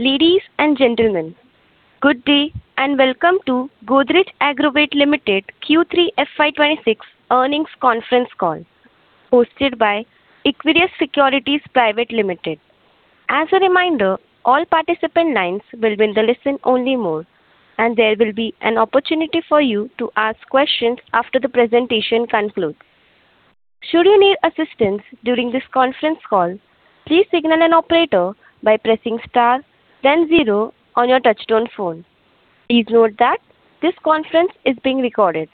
Ladies and gentlemen, good day, and welcome to Godrej Agrovet Limited Q3 FY 2026 earnings conference call, hosted by Equirus Securities Private Limited. As a reminder, all participant lines will be in the listen-only mode, and there will be an opportunity for you to ask questions after the presentation concludes. Should you need assistance during this conference call, please signal an operator by pressing star then zero on your touchtone phone. Please note that this conference is being recorded.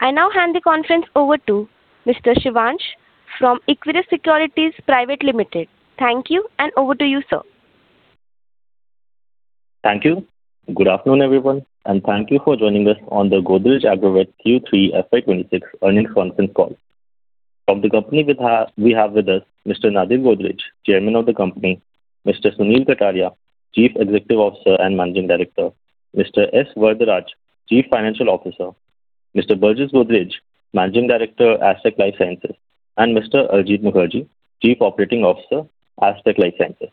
I now hand the conference over to Mr. Shivansh from Equirus Securities Private Limited. Thank you, and over to you, sir. Thank you. Good afternoon, everyone, and thank you for joining us on the Godrej Agrovet Q3 FY 2026 earnings conference call. From the company, we have with us Mr. Nadir Godrej, Chairman of the company; Mr. Sunil Kataria, Chief Executive Officer and Managing Director; Mr. S. Varadaraj, Chief Financial Officer; Mr. Burjis Godrej, Managing Director, Astec LifeSciences; and Mr. Arijit Mukherjee, Chief Operating Officer, Astec LifeSciences.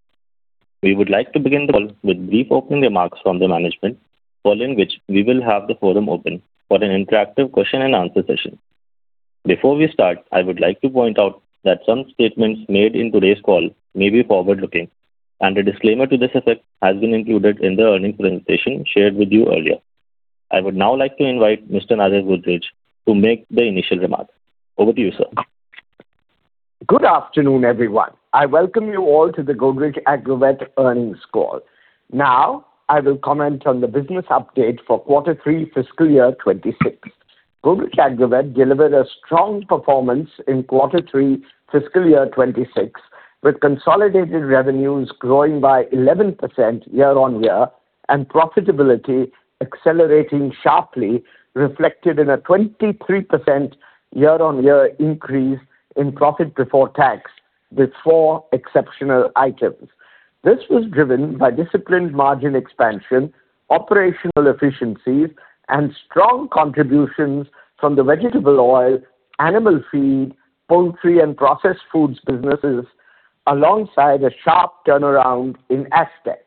We would like to begin the call with brief opening remarks from the management, following which we will have the floor open for an interactive question-and-answer session. Before we start, I would like to point out that some statements made in today's call may be forward-looking, and a disclaimer to this effect has been included in the earnings presentation shared with you earlier. I would now like to invite Mr. Nadir Godrej to make the initial remarks. Over to you, sir. Good afternoon, everyone. I welcome you all to the Godrej Agrovet earnings call. Now, I will comment on the business update for quarter three, fiscal year 2026. Godrej Agrovet delivered a strong performance in quarter three, fiscal year 2026, with consolidated revenues growing by 11% year-on-year and profitability accelerating sharply, reflected in a 23% year-on-year increase in profit before tax with four exceptional items. This was driven by disciplined margin expansion, operational efficiencies, and strong contributions from the Vegetable Oil, Animal Feed, Poultry, and Processed Foods businesses, alongside a sharp turnaround in Astec.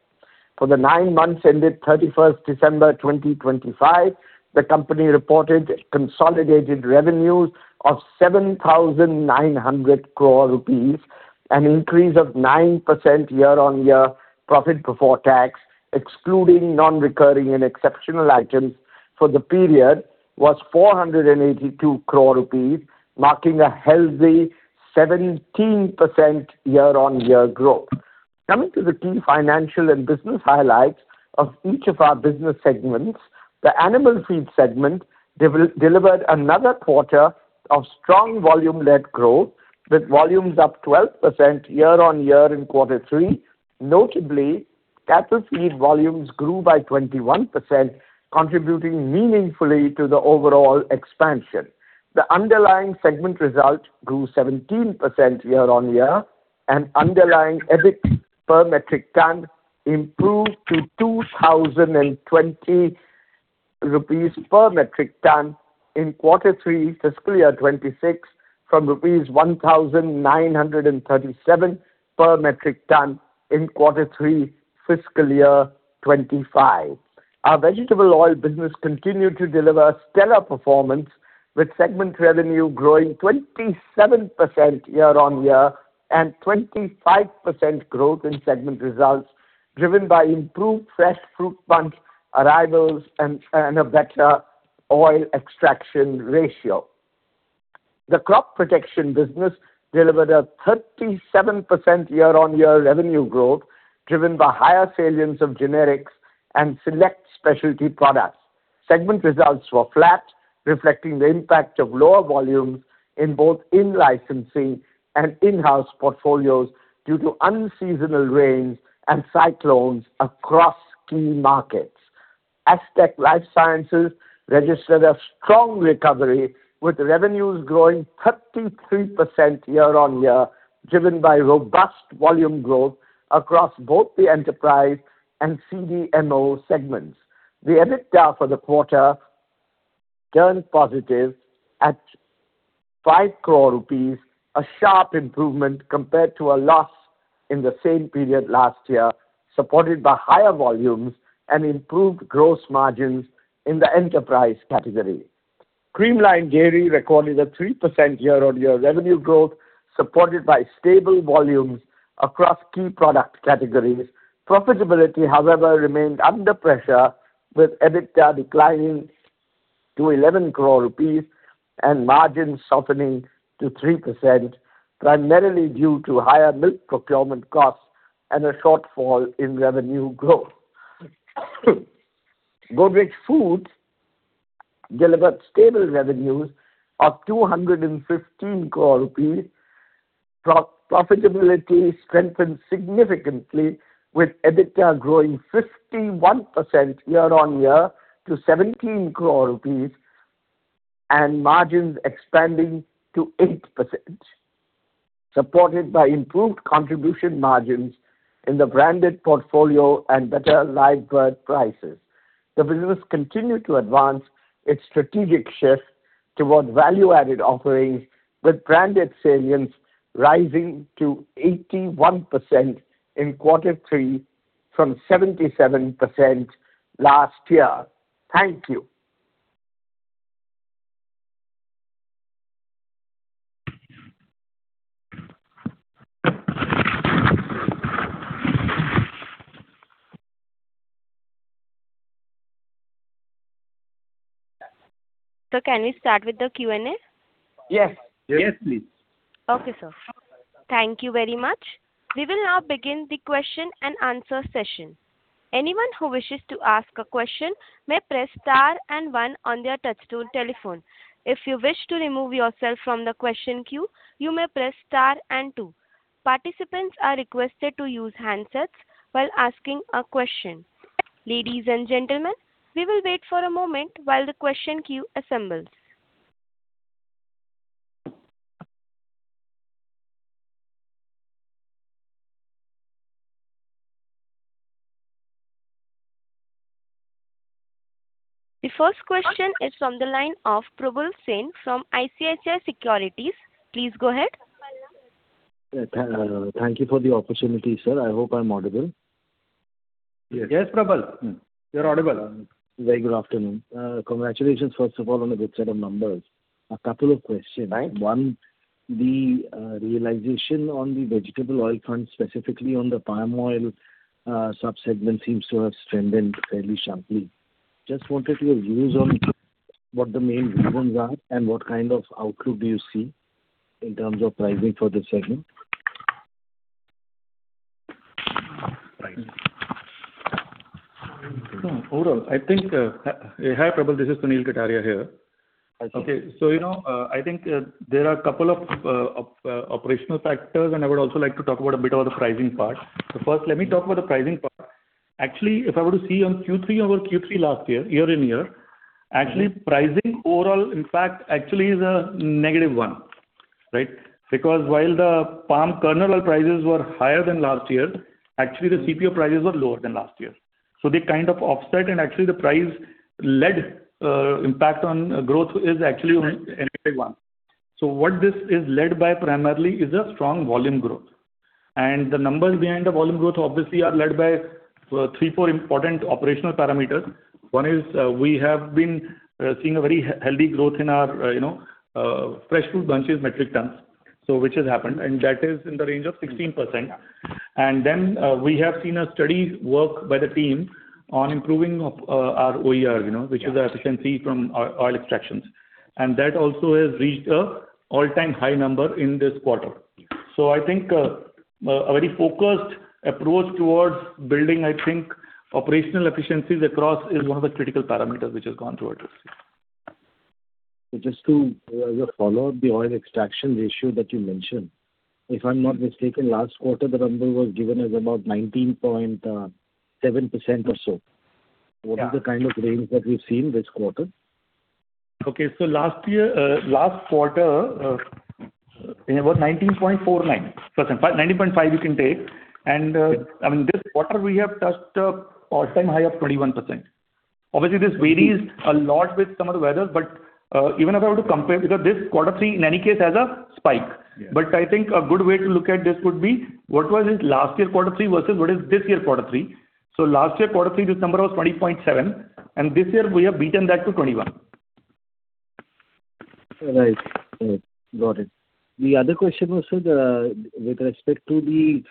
For the nine months ended 31 December 2025, the company reported consolidated revenues of 7,900 crore rupees, an increase of 9% year-on-year. Profit before tax, excluding non-recurring and exceptional items for the period, was 482 crore rupees, marking a healthy 17% year-on-year growth. Coming to the key financial and business highlights of each of our business segments. The Animal Feed segment delivered another quarter of strong volume-led growth, with volumes up 12% year-on-year in quarter three. Notably, cattle feed volumes grew by 21%, contributing meaningfully to the overall expansion. The underlying segment result grew 17% year-on-year, and underlying EBIT per metric ton improved to 2,020 rupees per metric ton in quarter three, fiscal year 2026, from rupees 1,937 per metric ton in quarter three, fiscal year 2025. Our Vegetable Oil business continued to deliver stellar performance, with segment revenue growing 27% year-on-year and 25% growth in segment results, driven by improved fresh fruit bunch arrivals and a better oil extraction ratio. The Crop Protection business delivered a 37% year-on-year revenue growth, driven by higher salience of generics and select specialty products. Segment results were flat, reflecting the impact of lower volumes in both in-licensing and in-house portfolios due to unseasonal rains and cyclones across key markets. Astec LifeSciences registered a strong recovery, with revenues growing 33% year-on-year, driven by robust volume growth across both the enterprise and CDMO segments. The EBITDA for the quarter turned positive at 5 crore rupees, a sharp improvement compared to a loss in the same period last year, supported by higher volumes and improved gross margins in the enterprise category. Creamline Dairy recorded a 3% year-on-year revenue growth, supported by stable volumes across key product categories. Profitability, however, remained under pressure, with EBITDA declining to 11 crore rupees and margins softening to 3%, primarily due to higher milk procurement costs and a shortfall in revenue growth. Godrej Foods delivered stable revenues of 215 crore rupees. Profitability strengthened significantly, with EBITDA growing 51% year-on-year to 17 crore rupees and margins expanding to 8%, supported by improved contribution margins in the branded portfolio and better live bird prices... The business continued to advance its strategic shift towards value-added offerings, with branded salience rising to 81% in quarter three from 77% last year. Thank you. So can we start with the Q&A? Yes. Yes, please. Okay, sir. Thank you very much. We will now begin the question-and-answer session. Anyone who wishes to ask a question may press star and one on their touchtone telephone. If you wish to remove yourself from the question queue, you may press star and two. Participants are requested to use handsets while asking a question. Ladies and gentlemen, we will wait for a moment while the question queue assembles. The first question is from the line of Prabal Sen from ICICI Securities. Please go ahead. Thank you for the opportunity, sir. I hope I'm audible. Yes, Prabal, you're audible. Very good afternoon. Congratulations, first of all, on a good set of numbers. A couple of questions. Right. One, the realization on the Vegetable Oil front, specifically on the Palm Oil sub-segment, seems to have strengthened fairly sharply. Just wanted your views on what the main reasons are and what kind of outlook do you see in terms of pricing for this segment? Right. Overall, I think. Hi, Prabal, this is Sunil Kataria here. Hi, sir. Okay. So, you know, I think, there are a couple of operational factors, and I would also like to talk about a bit about the pricing part. So first, let me talk about the pricing part. Actually, if I were to see on Q3 over Q3 last year, year-over-year, actually, pricing overall, in fact, actually is a -1%, right? Because while the palm kernel prices were higher than last year, actually the CPO prices were lower than last year. So they kind of offset, and actually, the price-led impact on growth is actually a -1%. So what this is led by primarily is a strong volume growth. And the numbers behind the volume growth obviously are led by three, four important operational parameters. One is, we have been seeing a very healthy growth in our, you know, fresh fruit bunches metric tons, so which has happened, and that is in the range of 16%. Then, we have seen a steady work by the team on improving of, our OER, you know, which is the efficiency from oil extractions. And that also has reached an all-time high number in this quarter. So I think, a very focused approach towards building, I think, operational efficiencies across is one of the critical parameters which has gone through it. So just to follow the oil extraction ratio that you mentioned, if I'm not mistaken, last quarter, the number was given as about 19.7% or so. Yeah. What is the kind of range that we've seen this quarter? Okay. So last year, last quarter, it was 19.49%. 19.5%, you can take. And, I mean, this quarter, we have touched an all-time high of 21%. Obviously, this varies a lot with some of the weathers, but, even if I were to compare, because this quarter three, in any case, has a spike. Yeah. I think a good way to look at this would be, what was it last year, quarter three, versus what is this year, quarter three? Last year, quarter three, this number was 20.7, and this year, we have beaten that to 21. Right. Got it. The other question was, sir, with respect to the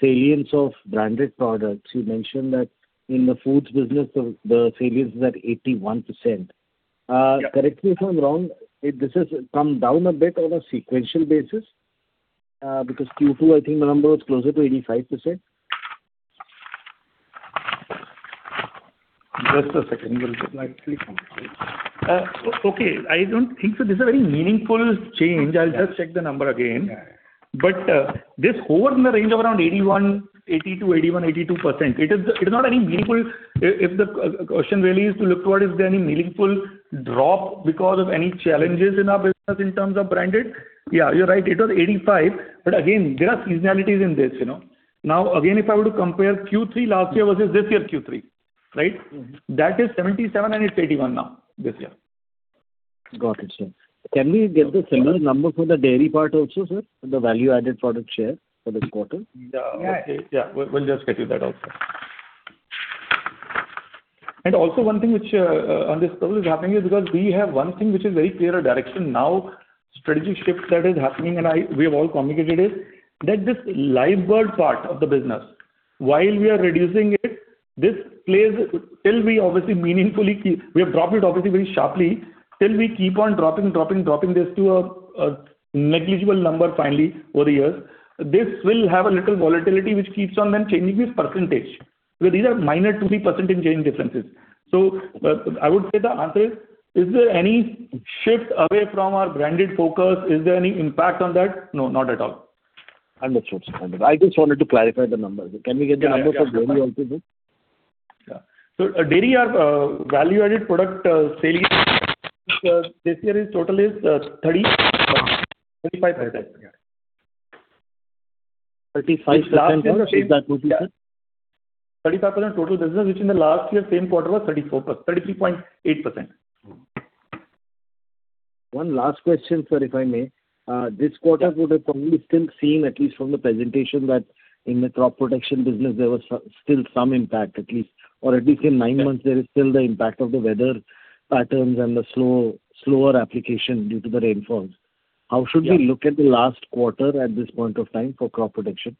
salience of branded products, you mentioned that in the foods business, the salience is at 81%. Yeah. Correct me if I'm wrong, if this has come down a bit on a sequential basis, because Q2, I think the number was closer to 85%. Just a second. Okay, I don't think so. This is a very meaningful change. Yeah. I'll just check the number again. Yeah. But, this hovers in the range of around 81%, 82%, 81%, 82%. It is not any meaningful. If the question really is to look toward, is there any meaningful drop because of any challenges in our business in terms of branded? Yeah, you're right, it was 85%, but again, there are seasonalities in this, you know. Now, again, if I were to compare Q3 last year versus this year, Q3, right? Mm-hmm. That is 77%, and it's 81% now, this year. Got it, sir. Can we get the similar number for the Dairy part also, sir, the value-added product share for this quarter? Yeah. Okay, yeah, we'll just get you that also. And also one thing which on this call is happening is because we have one thing which is very clear of direction now, strategic shift that is happening, and we have all communicated it, that this live bird part of the business, while we are reducing it, this plays till we obviously meaningfully keep—we have dropped it obviously very sharply. Till we keep on dropping, dropping, dropping this to a negligible number finally over the years, this will have a little volatility, which keeps on then changing this percentage, because these are minor 2%-3% change differences. So, I would say the answer is: Is there any shift away from our branded focus? Is there any impact on that? No, not at all. Understood, sir. Understood. I just wanted to clarify the numbers. Yeah, yeah. Can we get the numbers for Dairy also, please? Yeah. So Dairy, our value-added product salience this year total is 35%... 35% of the total business, which in the last year same quarter was 34%, 33.8%. One last question, sir, if I may. This quarter would have probably still seen, at least from the presentation, that in the Crop Protection business, there was still some impact at least, or at least in nine months, there is still the impact of the weather patterns and the slow, slower application due to the rainfalls. Yeah. How should we look at the last quarter at this point of time for Crop Protection?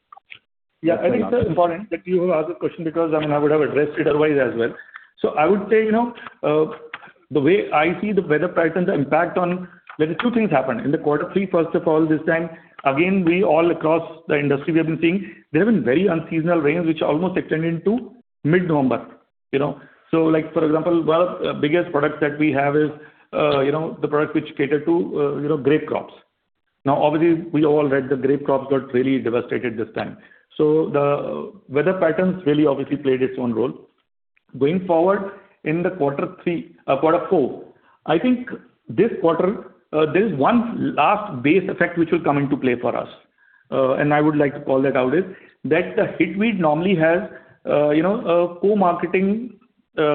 Yeah, I think it's important that you ask the question, because, I mean, I would have addressed it otherwise as well. So I would say, you know, the way I see the weather patterns, the impact on. There are two things happened. In the quarter three, first of all, this time, again, we all across the industry, we have been seeing there have been very unseasonal rains, which almost extended into mid-November, you know. So like, for example, one of the biggest products that we have is, you know, the product which cater to, you know, grape crops. Now, obviously, we all know the grape crops got really devastated this time. So the weather patterns really obviously played its own role. Going forward, in the quarter three, quarter four, I think this quarter, there is one last base effect which will come into play for us, and I would like to call that out is, that the Hitweed normally has, you know, a co-marketing,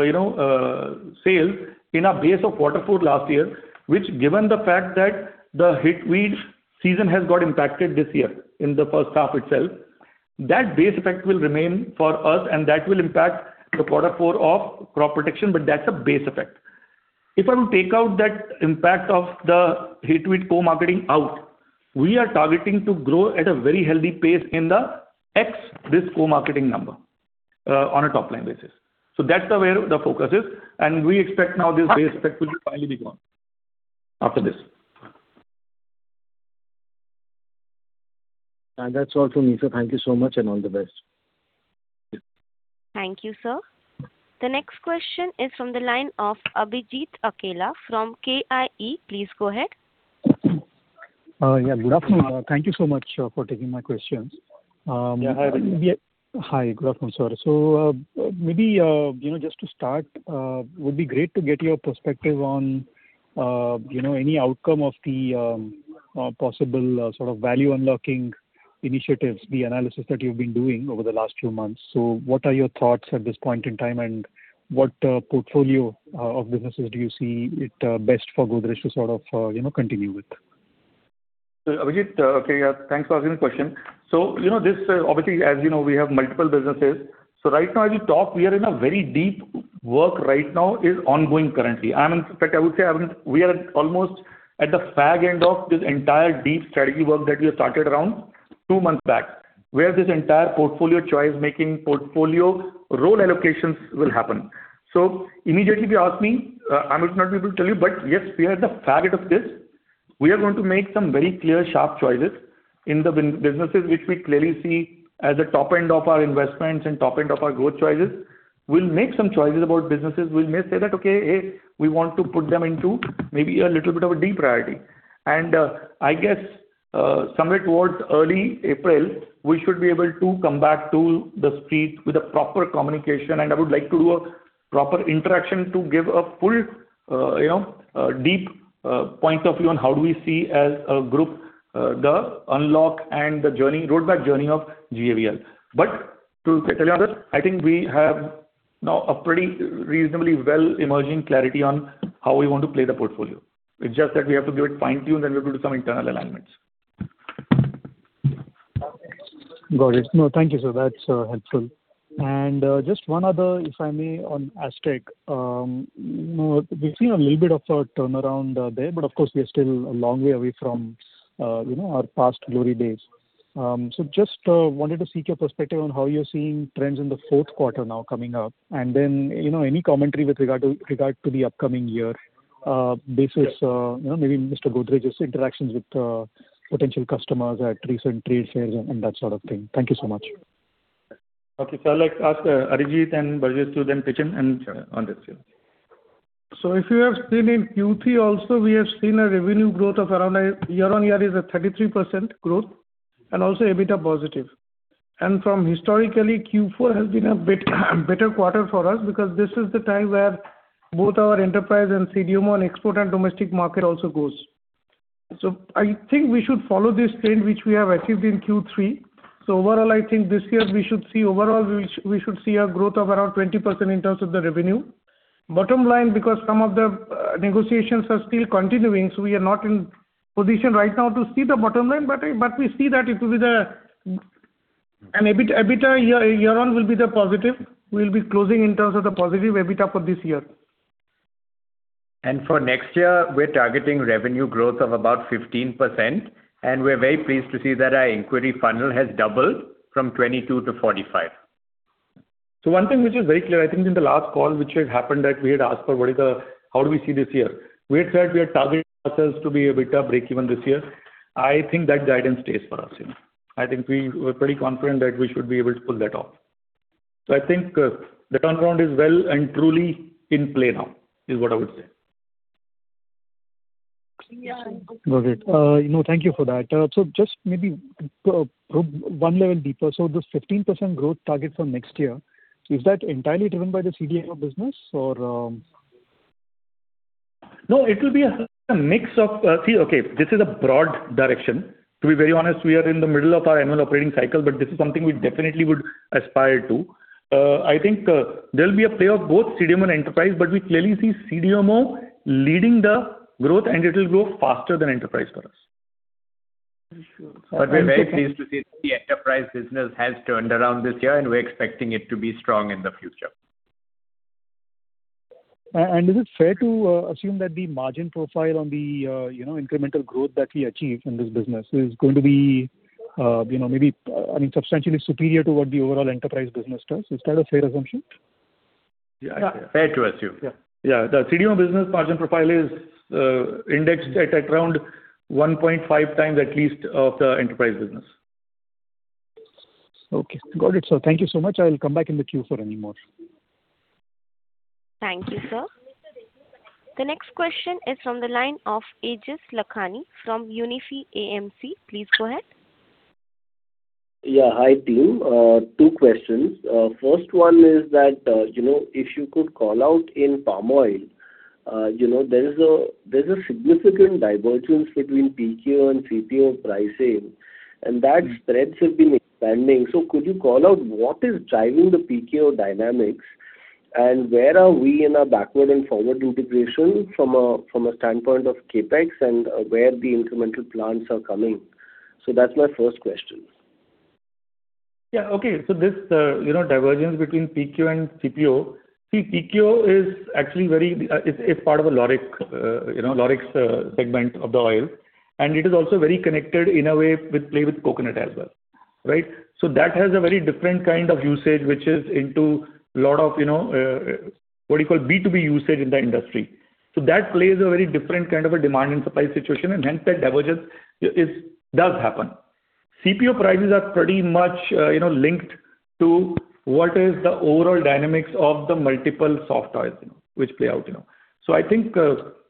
you know, sales in a base of quarter four last year, which given the fact that the Hitweed season has got impacted this year in the first half itself, that base effect will remain for us, and that will impact the quarter four of Crop Protection, but that's a base effect. If I would take out that impact of the Hitweed co-marketing out, we are targeting to grow at a very healthy pace in the ex this co-marketing number, on a top-line basis. So that's the way the focus is, and we expect now this base effect will finally be gone after this. That's all from me, sir. Thank you so much, and all the best. Thank you, sir. The next question is from the line of Abhijit Akella from KIE. Please go ahead. Yeah, good afternoon. Thank you so much for taking my questions. Yeah, hi. Hi, good afternoon, sir. So, maybe, you know, just to start, would be great to get your perspective on, you know, any outcome of the possible sort of value unlocking initiatives, the analysis that you've been doing over the last few months. So what are your thoughts at this point in time, and what portfolio of businesses do you see it best for Godrej to sort of, you know, continue with? So, Abhijit, okay, yeah, thanks for asking the question. So, you know, this, obviously, as you know, we have multiple businesses. So right now, as we talk, we are in a very deep work right now is ongoing currently. And in fact, I would say, I mean, we are almost at the fag end of this entire deep strategy work that we have started around two months back, where this entire portfolio choice making, portfolio role allocations will happen. So immediately, if you ask me, I might not be able to tell you, but yes, we are at the fag end of this. We are going to make some very clear, sharp choices in the businesses which we clearly see as a top end of our investments and top end of our growth choices. We'll make some choices about businesses. We may say that, okay, hey, we want to put them into maybe a little bit of a deep priority. And, I guess, somewhere towards early April, we should be able to come back to the street with a proper communication, and I would like to do a proper interaction to give a full, you know, deep point of view on how do we see as a group, the unlock and the journey, roadmap journey of GAVL. But to tell you honest, I think we have now a pretty reasonably well-emerging clarity on how we want to play the portfolio. It's just that we have to give it fine-tune, then we'll do some internal alignments. Got it. No, thank you, sir. That's helpful. Just one other, if I may, on Astec. We've seen a little bit of a turnaround there, but of course, we are still a long way away from, you know, our past glory days. So just wanted to seek your perspective on how you're seeing trends in the fourth quarter now coming up, and then, you know, any commentary with regard to, regard to the upcoming year, basis, you know, maybe Mr. Godrej's interactions with potential customers at recent trade fairs and that sort of thing. Thank you so much. Okay, so I'll let ask, Arijit and Burjis to then pitch in and on this too. So if you have seen in Q3 also, we have seen a revenue growth of around a year-on-year is at 33% growth and also a bit of positive. And from historically, Q4 has been a bit better quarter for us, because this is the time where both our enterprise and CDMO and export and domestic market also goes. So I think we should follow this trend, which we have achieved in Q3. So overall, I think this year we should see overall, we should see a growth of around 20% in terms of the revenue. Bottom line, because some of the negotiations are still continuing, so we are not in position right now to see the bottom line, but we see that it will be the... And EBIT, EBITDA year-on-year will be the positive. We'll be closing in terms of the positive EBITDA for this year. For next year, we're targeting revenue growth of about 15%, and we're very pleased to see that our inquiry funnel has doubled from 22%-45%. So one thing which is very clear, I think in the last call, which had happened, that we had asked for how do we see this year? We had said we are targeting ourselves to be a bit of breakeven this year. I think that guidance stays for us. I think we were pretty confident that we should be able to pull that off. So I think, the turnaround is well and truly in play now, is what I would say. Got it. You know, thank you for that. So just maybe one level deeper. So this 15% growth target for next year, is that entirely driven by the CDMO business or ...No, it will be a mix of, this is a broad direction. To be very honest, we are in the middle of our annual operating cycle, but this is something we definitely would aspire to. I think, there'll be a play of both CDMO and Enterprise, but we clearly see CDMO leading the growth, and it will grow faster than enterprise for us. We're very pleased to see the enterprise business has turned around this year, and we're expecting it to be strong in the future. Is it fair to assume that the margin profile on the, you know, incremental growth that we achieve in this business is going to be, you know, maybe, I mean, substantially superior to what the overall enterprise business does? Is that a fair assumption? Yeah. Fair to assume. Yeah. Yeah. The CDMO business margin profile is indexed at around 1.5 times at least of the enterprise business. Okay. Got it, sir. Thank you so much. I will come back in the queue for any more. Thank you, sir. The next question is from the line of Aejas Lakhani from Unifi AMC. Please go ahead. Yeah. Hi, team. Two questions. First one is that, you know, if you could call out in Palm Oil, you know, there is a significant divergence between PKO and CPO pricing, and that spreads have been expanding. So could you call out what is driving the PKO dynamics, and where are we in our backward and forward integration from a standpoint of CapEx, and where the incremental plants are coming? So that's my first question. Yeah. Okay. So this, you know, divergence between PKO and CPO. See, PKO is actually very, it's part of the lauric, you know, lauric, segment of the oil, and it is also very connected in a way with palm with coconut as well, right? So that has a very different kind of usage, which is into a lot of, you know, what you call B2B usage in the industry. So that plays a very different kind of a demand and supply situation, and hence that divergence is, does happen. CPO prices are pretty much, you know, linked to what is the overall dynamics of the multiple soft oils which play out, you know. So I think,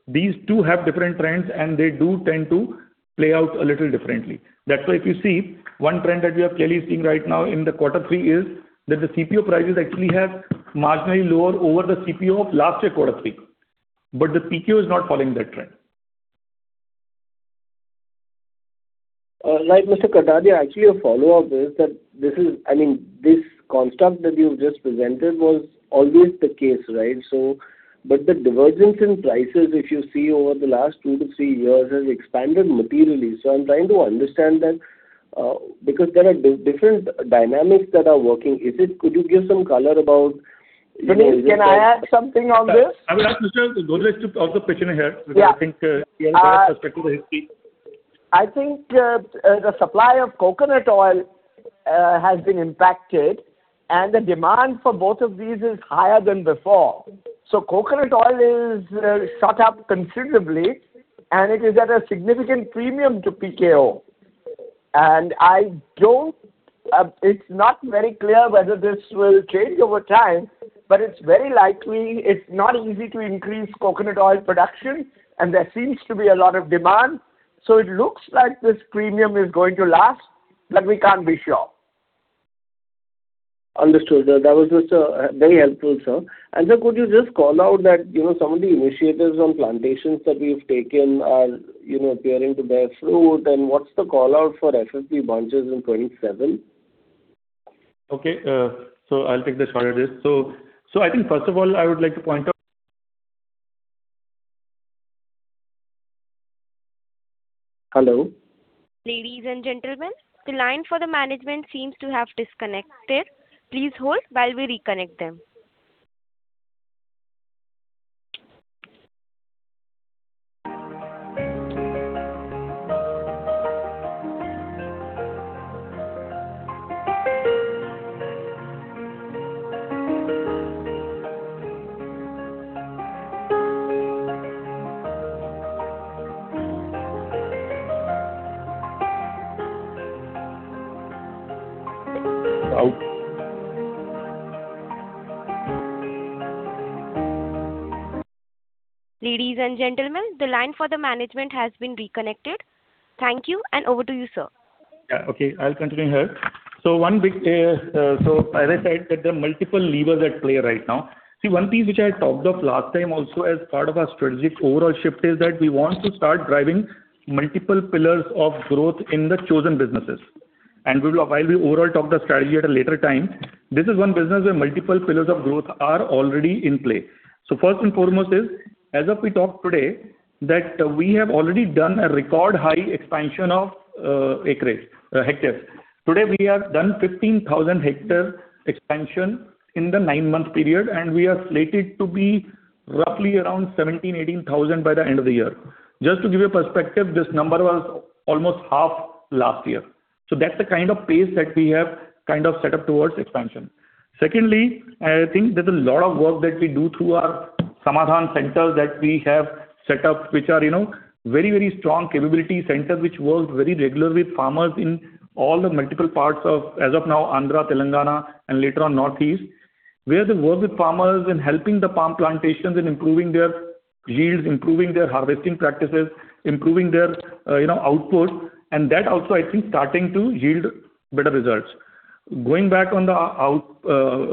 these two have different trends, and they do tend to play out a little differently. That's why if you see, one trend that we are clearly seeing right now in the quarter three is that the CPO prices actually have marginally lower over the CPO of last year, quarter three, but the PKO is not following that trend. Like, Mr. Kataria, actually, a follow-up is that this is... I mean, this concept that you've just presented was always the case, right? So, but the divergence in prices, if you see over the last 2-3 years, has expanded materially. So I'm trying to understand that, because there are different dynamics that are working. Is it— Could you give some color about- Can I add something on this? I will ask Mr. Godrej to add the question ahead- Yeah. -because I think, he has a lot of perspective history. I think the supply of coconut oil has been impacted, and the demand for both of these is higher than before. So coconut oil is shot up considerably, and it is at a significant premium to PKO. And I don't, it's not very clear whether this will change over time, but it's very likely. It's not easy to increase coconut oil production, and there seems to be a lot of demand. So it looks like this premium is going to last, but we can't be sure. Understood. That was just very helpful, sir. And sir, could you just call out that, you know, some of the initiatives on plantations that we've taken are, you know, appearing to bear fruit, and what's the call out for FFB bunches in 2027? Okay, so I'll take the shot at this. So, I think first of all, I would like to point out... Hello? Ladies and gentlemen, the line for the management seems to have disconnected. Please hold while we reconnect them. Ladies and gentlemen, the line for the management has been reconnected. Thank you, and over to you, sir. Yeah, okay. I'll continue here. So one big, so I decided that there are multiple levers at play right now. See, one piece which I talked of last time also as part of our strategic overall shift, is that we want to start driving multiple pillars of growth in the chosen businesses. And we will, while we overall talk the strategy at a later time, this is one business where multiple pillars of growth are already in play. So first and foremost is, as of we talk today, that we have already done a record high expansion of, acreage, hectares. Today, we have done 15,000-hectare expansion in the nine-month period, and we are slated to be roughly around 17,000-18,000 by the end of the year. Just to give you a perspective, this number was almost half last year. So that's the kind of pace that we have kind of set up towards expansion. Secondly, I think there's a lot of work that we do through our Samadhan centers that we have set up, which are, you know, very, very strong capability centers, which work very regularly with farmers in all the multiple parts of, as of now, Andhra, Telangana, and later on, Northeast. Where they work with farmers in helping the palm plantations in improving their yields, improving their harvesting practices, improving their, you know, output, and that also, I think, starting to yield better results. ...Going back on the out,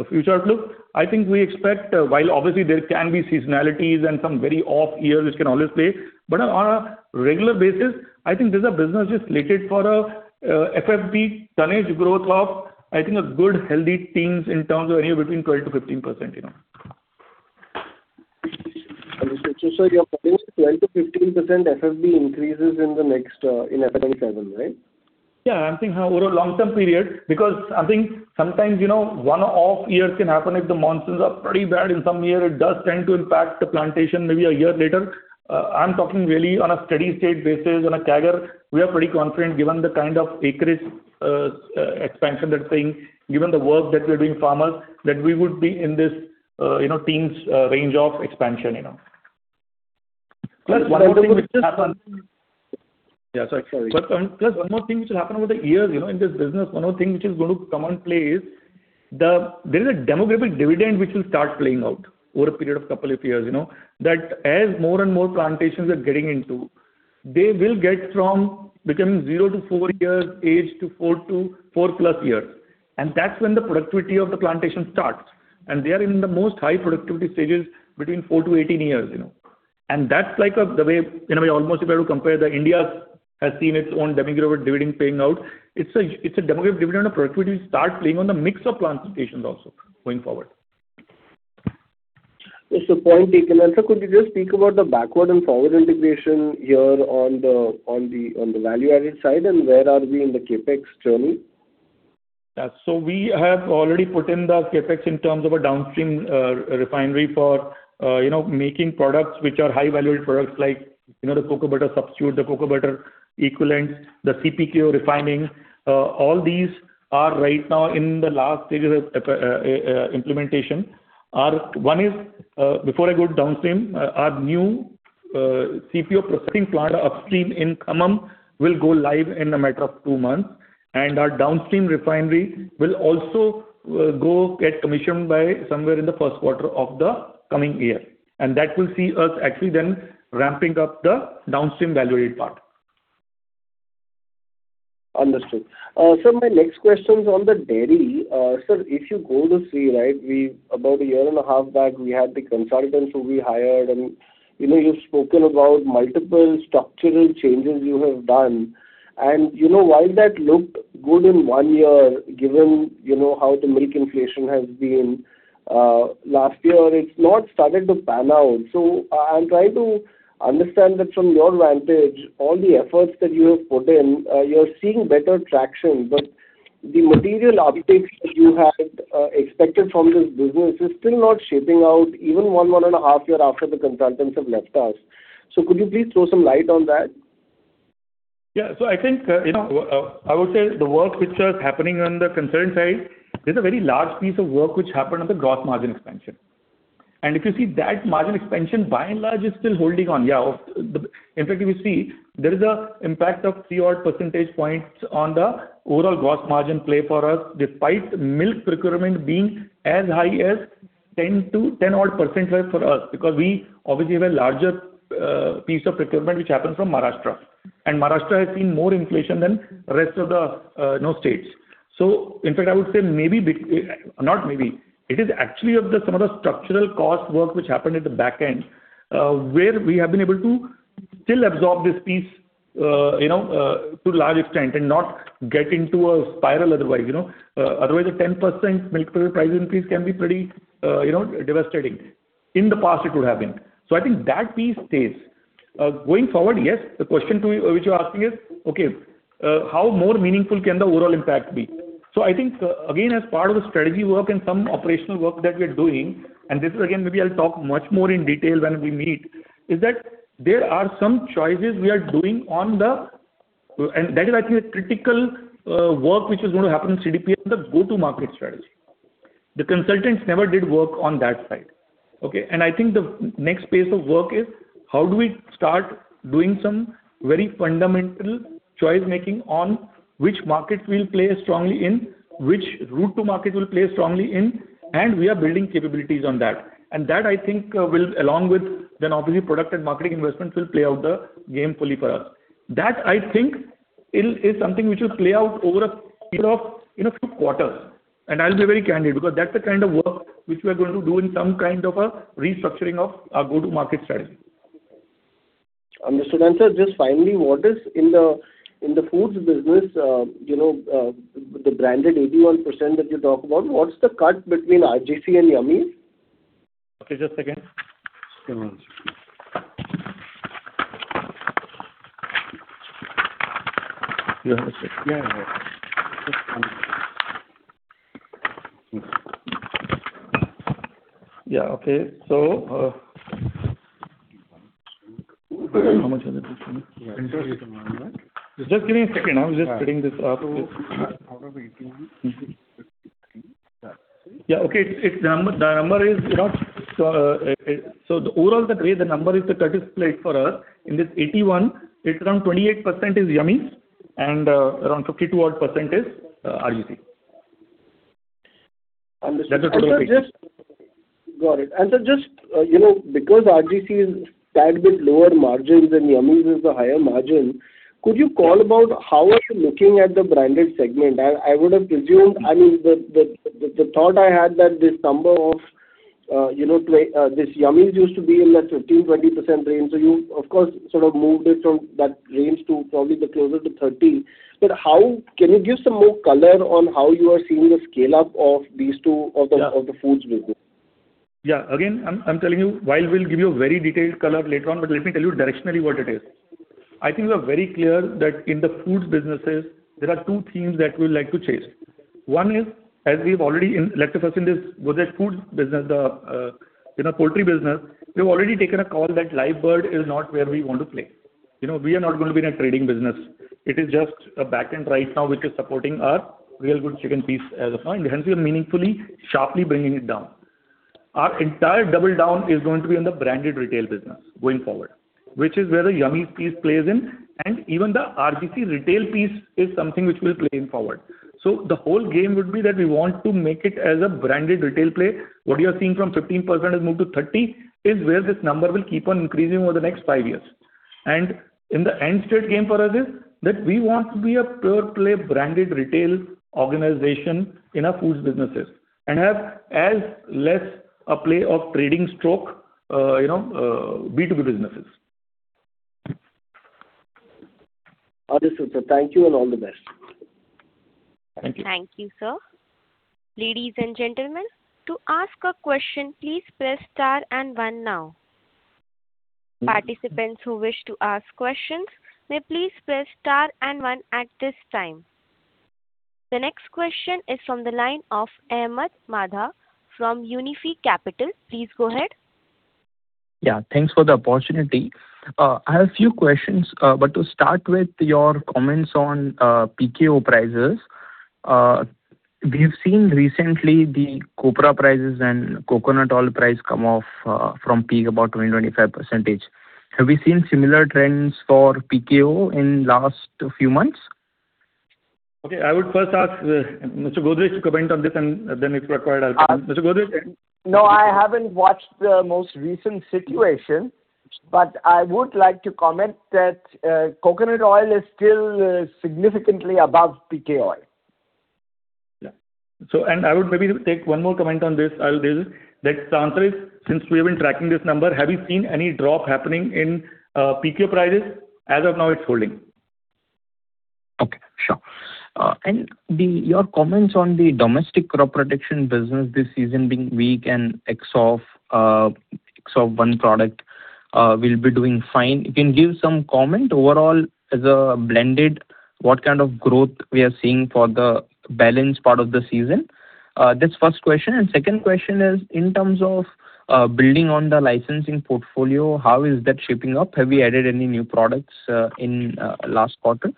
future outlook, I think we expect, while obviously there can be seasonalities and some very off years, which can always play. But on a regular basis, I think this is a business which is slated for a, FFB tonnage growth of, I think, a good healthy teens in terms of anywhere between 12%-15%, you know. Understood. So, sir, you're saying 12%-15% FFB increases in the next, in FY 2027, right? Yeah, I'm thinking over a long-term period, because I think sometimes, you know, one-off year can happen if the monsoons are pretty bad. In some year, it does tend to impact the plantation maybe a year later. I'm talking really on a steady-state basis, on a CAGR. We are pretty confident, given the kind of acreage expansion that's saying, given the work that we're doing farmers, that we would be in this, you know, teens range of expansion, you know. Plus one other thing which happens- Yeah, sorry. Plus one more thing which will happen over the years, you know, in this business, one more thing which is going to come and play is the, there is a demographic dividend which will start playing out over a period of couple of years, you know. That, as more and more plantations are getting into, they will get from becoming zero to four years age to four to four plus years. And that's when the productivity of the plantation starts, and they are in the most high productivity stages between 4-18 years, you know. And that's like a, the way, you know, we almost if I to compare the India has seen its own demographic dividend paying out. It's a, it's a demographic dividend of productivity start playing on the mix of plantations also going forward. Yes, the point taken. And sir, could you just speak about the backward and forward integration here on the value-added side, and where are we in the CapEx journey? Yeah. So we have already put in the CapEx in terms of a downstream refinery for, you know, making products which are high value-added products like, you know, the cocoa butter substitute, the cocoa butter equivalent, the CPKO refining. All these are right now in the last stages of implementation. Before I go downstream, our new CPO processing plant upstream in Khammam will go live in a matter of two months, and our downstream refinery will also go get commissioned by somewhere in the first quarter of the coming year. And that will see us actually then ramping up the downstream value-added part. Understood. So my next question is on the Dairy. Sir, if you go to see, right, we about a year and a half back, we had the consultants who we hired, and, you know, you've spoken about multiple structural changes you have done. And, you know, while that looked good in one year, given, you know, how the milk inflation has been, last year, it's not started to pan out. So I, I'm trying to understand that from your vantage, all the efforts that you have put in, you're seeing better traction, but the material upticks that you had, expected from this business is still not shaping out even one, one and a half year after the consultants have left us. So could you please throw some light on that? Yeah. So I think, you know, I would say the work which is happening on the concerned side, there's a very large piece of work which happened on the gross margin expansion. And if you see that margin expansion, by and large, is still holding on. Yeah, in fact, if you see, there is a impact of 3-odd percentage points on the overall gross margin play for us, despite milk procurement being as high as 10%-10%-odd for us, because we obviously have a larger piece of procurement which happened from Maharashtra. And Maharashtra has seen more inflation than rest of the, you know, states. So in fact, I would say not maybe, it is actually some of the structural cost work which happened at the back end, where we have been able to still absorb this piece, you know, to a large extent and not get into a spiral otherwise, you know. Otherwise, a 10% milk price increase can be pretty, you know, devastating. In the past, it would have been. So I think that piece stays. Going forward, yes, the question to you, which you're asking is, okay, how more meaningful can the overall impact be? So I think, again, as part of the strategy work and some operational work that we're doing, and this is, again, maybe I'll talk much more in detail when we meet, is that there are some choices we are doing on the... That is actually a critical work which is going to happen in CDPR, the go-to-market strategy. The consultants never did work on that side, okay? I think the next phase of work is how do we start doing some very fundamental choice-making on which market we'll play strongly in, which route to market we'll play strongly in, and we are building capabilities on that. And that, I think, will along with then obviously, product and marketing investments, will play out the game fully for us. That, I think, it is something which will play out over a period of, you know, few quarters. And I'll be very candid, because that's the kind of work which we are going to do in some kind of a restructuring of our go-to-market strategy. Understood. And, sir, just finally, what is in the foods business, you know, the branded 81% that you talk about, what's the cut between RGC and Yummiez? Okay, just a second. Yeah, okay. So, How much are the? Just give me a second. I'm just putting this up. Out of 81. Yeah, okay. It's the number is, you know, so overall, the way the number is, the cut is played for us, in this 81, it's around 28% is Yummiez and around 52%-odd is RGC.... Got it. And so just, you know, because RGC is a tad bit lower margins and Yummiez is the higher margin, could you comment about how are you looking at the branded segment? I would have presumed, I mean, the thought I had that this number of, you know, this Yummiez used to be in the 15%-20% range. So you, of course, sort of moved it from that range to probably closer to 30%. But how can you give some more color on how you are seeing the scale-up of these two, of the foods business? Yeah. Again, I'm, I'm telling you, while we'll give you a very detailed color later on, but let me tell you directionally what it is. I think we are very clear that in the foods businesses, there are two themes that we'd like to chase. One is, as we've already. Let us first in this, with the foods business, the, you know, Poultry business, we've already taken a call that live bird is not where we want to play. You know, we are not going to be in a trading business. It is just a back end right now, which is supporting our Real Good Chicken piece as of now, and hence we are meaningfully, sharply bringing it down. Our entire double down is going to be on the branded retail business going forward, which is where the Yummiez piece plays in, and even the RGC retail piece is something which will play in forward. So the whole game would be that we want to make it as a branded retail play. What you are seeing from 15% has moved to 30%, is where this number will keep on increasing over the next five years. And in the end state game for us is, that we want to be a pure play branded retail organization in our foods businesses, and have as less a play of trading sort of, you know, B2B businesses. Understood, sir. Thank you, and all the best. Thank you. Thank you, sir. Ladies and gentlemen, to ask a question, please press star and one now. Participants who wish to ask questions may please press Star and One at this time. The next question is from the line of Ahmed Madha from Unifi Capital. Please go ahead. Yeah, thanks for the opportunity. I have a few questions, but to start with your comments on PKO prices. We have seen recently the copra prices and coconut oil price come off from peak about 20-25%. Have we seen similar trends for PKO in last few months? Okay. I would first ask, Mr. Godrej to comment on this, and then, if required, I'll come in. Mr. Godrej? No, I haven't watched the most recent situation, but I would like to comment that coconut oil is still significantly above PK oil. Yeah. So, and I would maybe take one more comment on this. I'll deal with that. The answer is, since we have been tracking this number, have you seen any drop happening in PK prices? As of now, it's holding. Okay, sure. And your comments on the domestic Crop Protection business this season being weak and ex of one product will be doing fine. You can give some comment overall as a blended, what kind of growth we are seeing for the balance part of the season? That's first question, and second question is, in terms of building on the licensing portfolio, how is that shaping up? Have you added any new products in last quarter?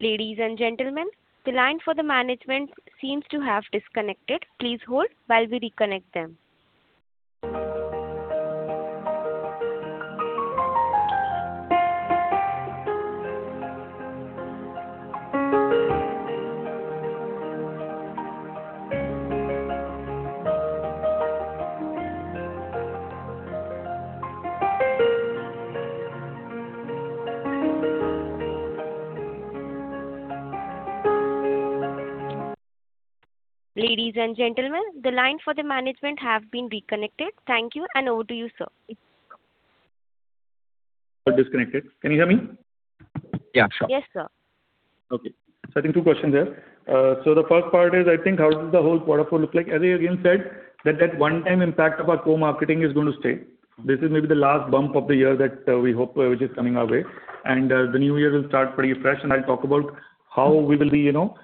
Ladies and gentlemen, the line for the management seems to have disconnected. Please hold while we reconnect them. Ladies and gentlemen, the line for the management have been reconnected. Thank you, and over to you, sir. Disconnected. Can you hear me? Yeah, sure. Yes, sir. Okay. So I think two questions there. So the first part is, I think, how does the whole quarter four look like? As I again said, that that one-time impact of our co-marketing is going to stay. This is maybe the last bump of the year that we hope, which is coming our way, and the new year will start pretty fresh. And I'll talk about how we will be, you know,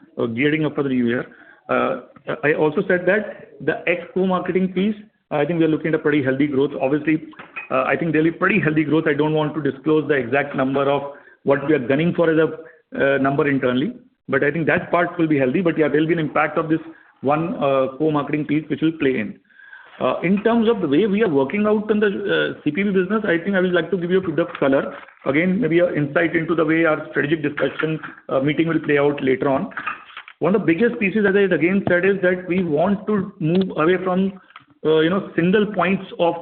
gearing up for the new year. I also said that the ex co-marketing piece, I think we are looking at a pretty healthy growth. Obviously, I think there'll be pretty healthy growth. I don't want to disclose the exact number of what we are gunning for as a number internally, but I think that part will be healthy. But yeah, there'll be an impact of this one, co-marketing piece, which will play in. In terms of the way we are working out on the, CPB business, I think I would like to give you a bit of color. Again, maybe an insight into the way our strategic discussion, meeting will play out later on. One of the biggest pieces, as I again said, is that we want to move away from, you know, single points of,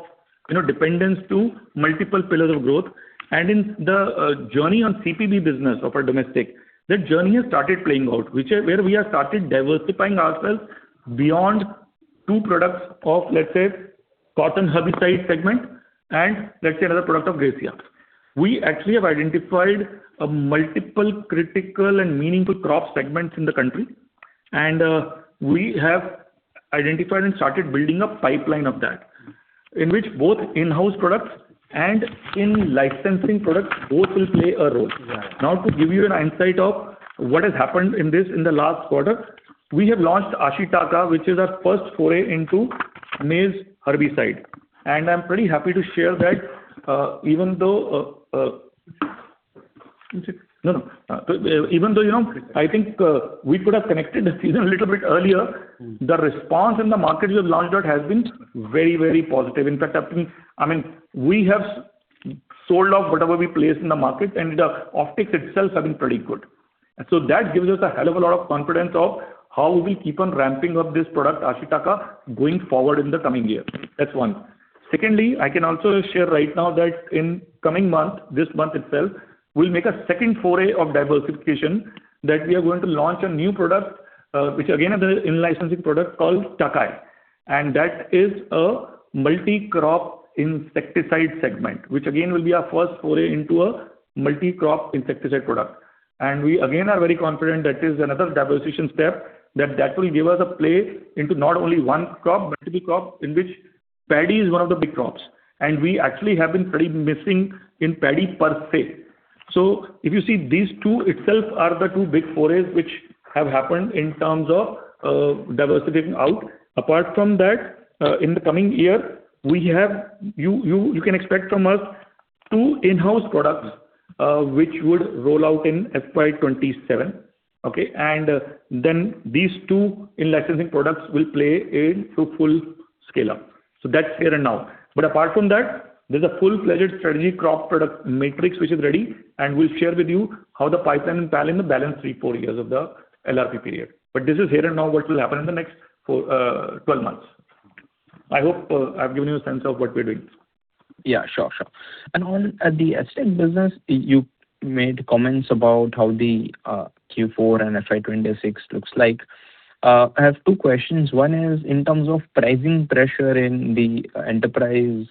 you know, dependence to multiple pillars of growth. And in the, journey on CPB business of our domestic, that journey has started playing out, which is where we have started diversifying ourselves beyond two products of, let's say, cotton herbicide segment, and let's say another product of Gracia. We actually have identified a multiple critical and meaningful crop segments in the country, and we have identified and started building a pipeline of that, in which both in-house products and in-licensing products, both will play a role. Now, to give you an insight of what has happened in this in the last quarter, we have launched Ashitaka, which is our first foray into maize herbicide. And I'm pretty happy to share that, even though, you know, I think, we could have connected the season a little bit earlier, the response in the market we have launched at has been very, very positive. In fact, I mean, I mean, we have sold off whatever we placed in the market, and the optics itself have been pretty good... And so that gives us a hell of a lot of confidence of how we will keep on ramping up this product, Ashitaka, going forward in the coming year. That's one. Secondly, I can also share right now that in coming month, this month itself, we'll make a second foray of diversification, that we are going to launch a new product, which again, is an in-licensing product called Takai. And that is a multi-crop insecticide segment, which again, will be our first foray into a multi-crop insecticide product. And we again, are very confident that is another diversification step, that that will give us a play into not only one crop, but two crop, in which paddy is one of the big crops. We actually have been pretty missing in paddy, per se. So if you see, these two itself are the two big forays which have happened in terms of diversifying out. Apart from that, in the coming year, we have you can expect from us two in-house products, which would roll out in FY 2027, okay? And then these two in-licensing products will play into full scale-up. So that's here and now. But apart from that, there's a full-fledged strategic crop product matrix which is ready, and we'll share with you how the pipeline will play in the balance 3-4 years of the LRP period. But this is here and now, what will happen in the next 4-12 months. I hope I've given you a sense of what we're doing. Yeah, sure, sure. And on the Astec business, you, you made comments about how the Q4 and FY 2026 looks like. I have two questions. One is in terms of pricing pressure in the off-patent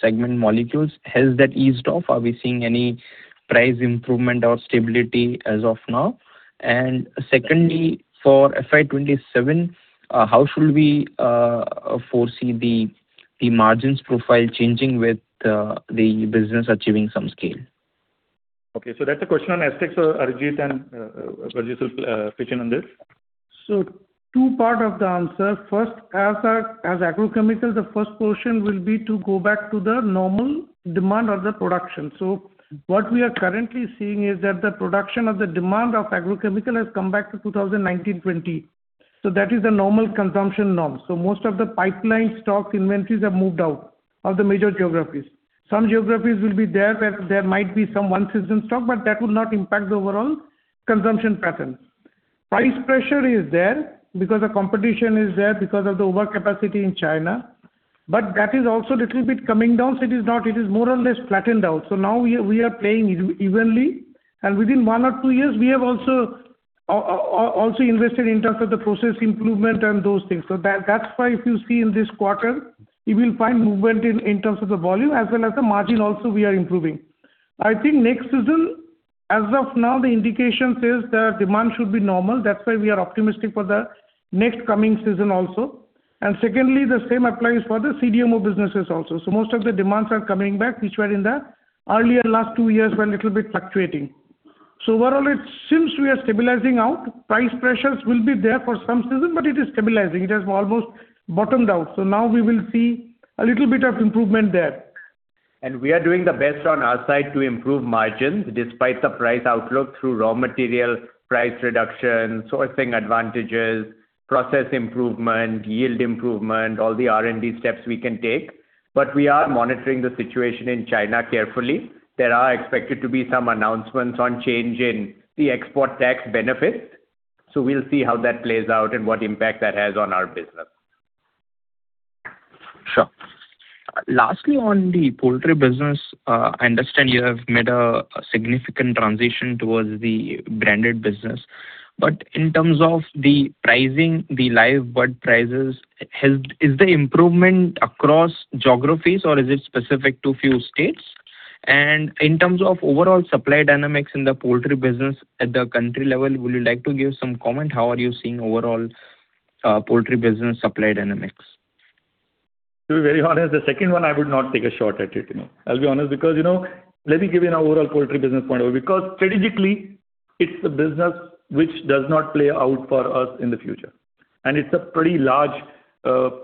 segment molecules, has that eased off? Are we seeing any price improvement or stability as of now? And secondly, for FY 2027, how should we foresee the margins profile changing with the business achieving some scale? Okay, so that's a question on Astec, so Arijit and Burjis will pitch in on this. So two part of the answer. First, as a, as agrochemical, the first portion will be to go back to the normal demand of the production. So what we are currently seeing is that the production of the demand of agrochemical has come back to 2019/2020. So that is the normal consumption norm. So most of the pipeline stock inventories have moved out of the major geographies. Some geographies will be there, where there might be some one season stock, but that would not impact the overall consumption pattern. Price pressure is there because the competition is there, because of the overcapacity in China, but that is also little bit coming down, so it is not—it is more or less flattened out. So now we are playing evenly, and within one or two years, we have also invested in terms of the process improvement and those things. So that's why if you see in this quarter, you will find movement in terms of the volume as well as the margin also, we are improving. I think next season, as of now, the indication says that demand should be normal. That's why we are optimistic for the next coming season also. And secondly, the same applies for the CDMO businesses also. So most of the demands are coming back, which were in the earlier last two years were little bit fluctuating. So overall, it seems we are stabilizing out. Price pressures will be there for some season, but it is stabilizing. It has almost bottomed out, so now we will see a little bit of improvement there. We are doing the best on our side to improve margins, despite the price outlook through raw material, price reduction, sourcing advantages, process improvement, yield improvement, all the R&D steps we can take. We are monitoring the situation in China carefully. There are expected to be some announcements on change in the export tax benefit, so we'll see how that plays out and what impact that has on our business. Sure. Lastly, on the Poultry business, I understand you have made a significant transition towards the branded business. But in terms of the pricing, the live bird prices, is the improvement across geographies or is it specific to few states? And in terms of overall supply dynamics in the Poultry business at the country level, would you like to give some comment? How are you seeing overall, Poultry business supply dynamics? To be very honest, the second one, I would not take a shot at it, you know. I'll be honest, because, you know, let me give you an overall Poultry business point of view, because strategically, it's a business which does not play out for us in the future. And it's a pretty large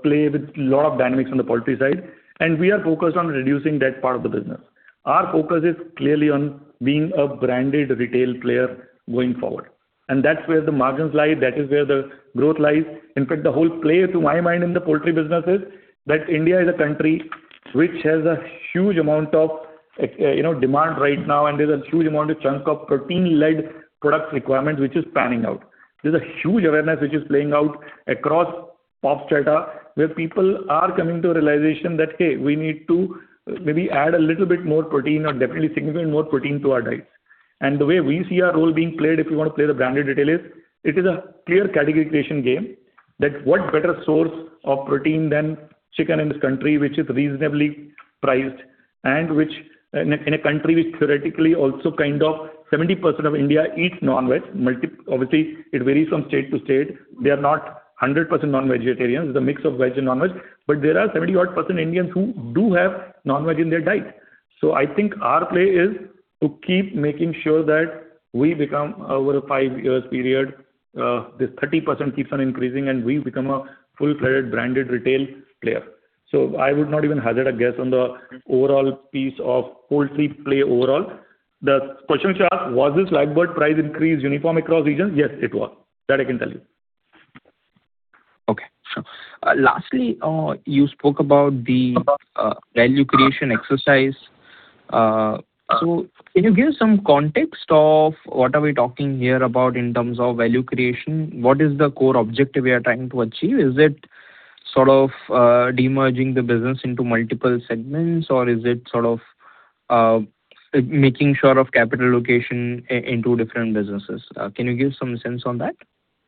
play with a lot of dynamics on the Poultry side, and we are focused on reducing that part of the business. Our focus is clearly on being a branded retail player going forward, and that's where the margins lie, that is where the growth lies. In fact, the whole play to my mind in the Poultry business is, that India is a country which has a huge amount of, you know, demand right now, and there's a huge amount of chunk of protein-led product requirement, which is panning out. There's a huge awareness which is playing out across pop strata, where people are coming to a realization that, "Hey, we need to maybe add a little bit more protein or definitely significant more protein to our diets." And the way we see our role being played, if you want to play the branded retailer, it is a clear category creation game that what better source of protein than chicken in this country, which is reasonably priced and which... In a country which theoretically also kind of 70% of India eats non-veg. Obviously, it varies from state to state. They are not 100% non-vegetarians. It's a mix of veg and non-veg, but there are 70%-odd Indians who do have non-veg in their diet. So I think our play is to keep making sure that we become, over a five years period, this 30% keeps on increasing, and we become a full-fledged branded retail player. So I would not even hazard a guess on the overall piece of Poultry play overall. The question which you asked, was this live bird price increase uniform across regions? Yes, it was. That I can tell you.... Lastly, you spoke about the value creation exercise. So can you give some context of what are we talking here about in terms of value creation? What is the core objective we are trying to achieve? Is it sort of demerging the business into multiple segments, or is it sort of making sure of capital allocation into different businesses? Can you give some sense on that?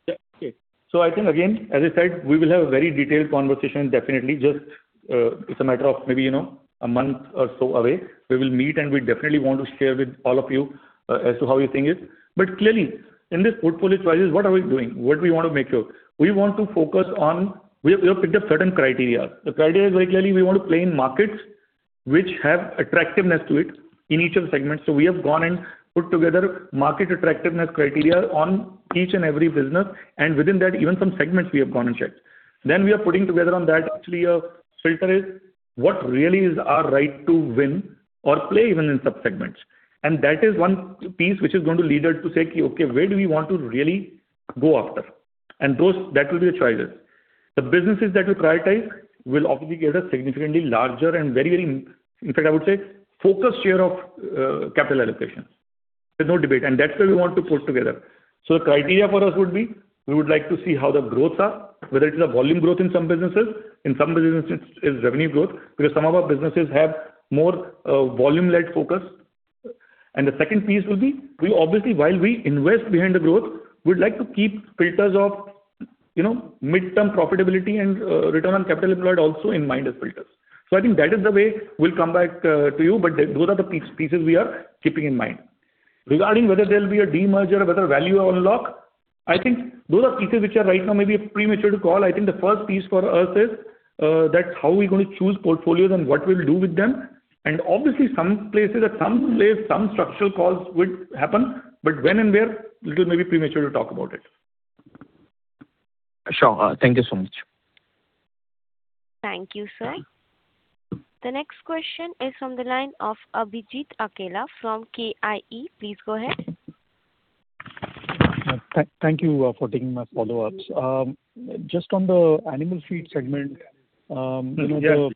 Yeah. Okay. So I think, again, as I said, we will have a very detailed conversation, definitely, just, it's a matter of maybe, you know, a month or so away. We will meet, and we definitely want to share with all of you, as to how we think it. But clearly, in this portfolio choices, what are we doing? What we want to make sure? We want to focus on. We have picked a certain criteria. The criteria is very clearly we want to play in markets which have attractiveness to it in each of the segments. So we have gone and put together market attractiveness criteria on each and every business, and within that, even some segments we have gone and checked. Then we are putting together on that, actually, a filter is what really is our right to win or play even in subsegments. That is one piece which is going to lead us to say, "Okay, where do we want to really go after?" Those that will be the choices. The businesses that we prioritize will obviously get a significantly larger and very, very, in fact, I would say, focused share of capital allocation. There's no debate. That's why we want to put together. So the criteria for us would be, we would like to see how the growths are, whether it is a volume growth in some businesses, in some businesses it's revenue growth, because some of our businesses have more volume-led focus. The second piece will be, we obviously, while we invest behind the growth, we'd like to keep filters of, you know, midterm profitability and return on capital employed also in mind as filters. So I think that is the way we'll come back to you, but those are the pieces we are keeping in mind. Regarding whether there'll be a demerger or whether value unlock, I think those are pieces which are right now maybe premature to call. I think the first piece for us is that's how we're going to choose portfolios and what we'll do with them. And obviously, some places, at some place, some structural calls would happen, but when and where, it will be maybe premature to talk about it. Sure. Thank you so much. Thank you, sir. Thank you. The next question is from the line of Abhijit Akella from KIE. Please go ahead. Thank you for taking my follow-ups. Just on the Animal Feed segment, you know, the- Yes.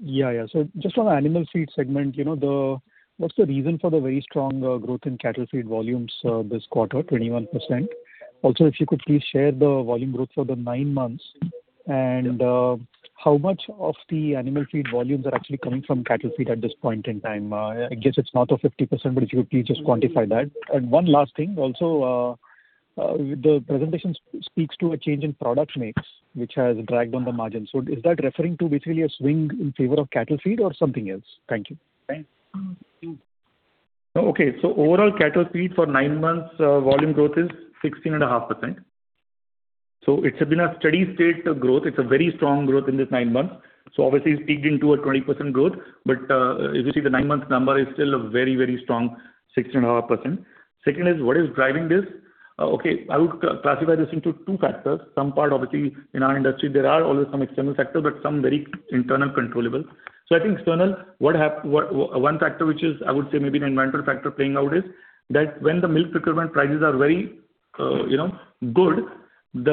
Yeah, yeah. So just on the Animal Feed segment, you know, what's the reason for the very strong growth in cattle feed volumes this quarter, 21%? Also, if you could please share the volume growth for the nine months. And- Yeah. How much of the Animal Feed volumes are actually coming from cattle feed at this point in time? I guess it's not a 50%, but if you could please just quantify that. And one last thing, also, the presentation speaks to a change in product mix, which has dragged on the margin. So is that referring to basically a swing in favor of cattle feed or something else? Thank you. Thanks. Okay. So overall, cattle feed for nine months, volume growth is 16.5%. So it's been a steady state of growth. It's a very strong growth in this nine months. So obviously, it's peaked into a 20% growth, but, if you see the nine-month number, is still a very, very strong 16.5%. Second is, what is driving this? Okay, I would classify this into two factors. Some part, obviously, in our industry, there are always some external factors, but some very internal controllable. So I think external, what one factor, which is, I would say, maybe an environmental factor playing out, is that when the milk procurement prices are very, you know, good,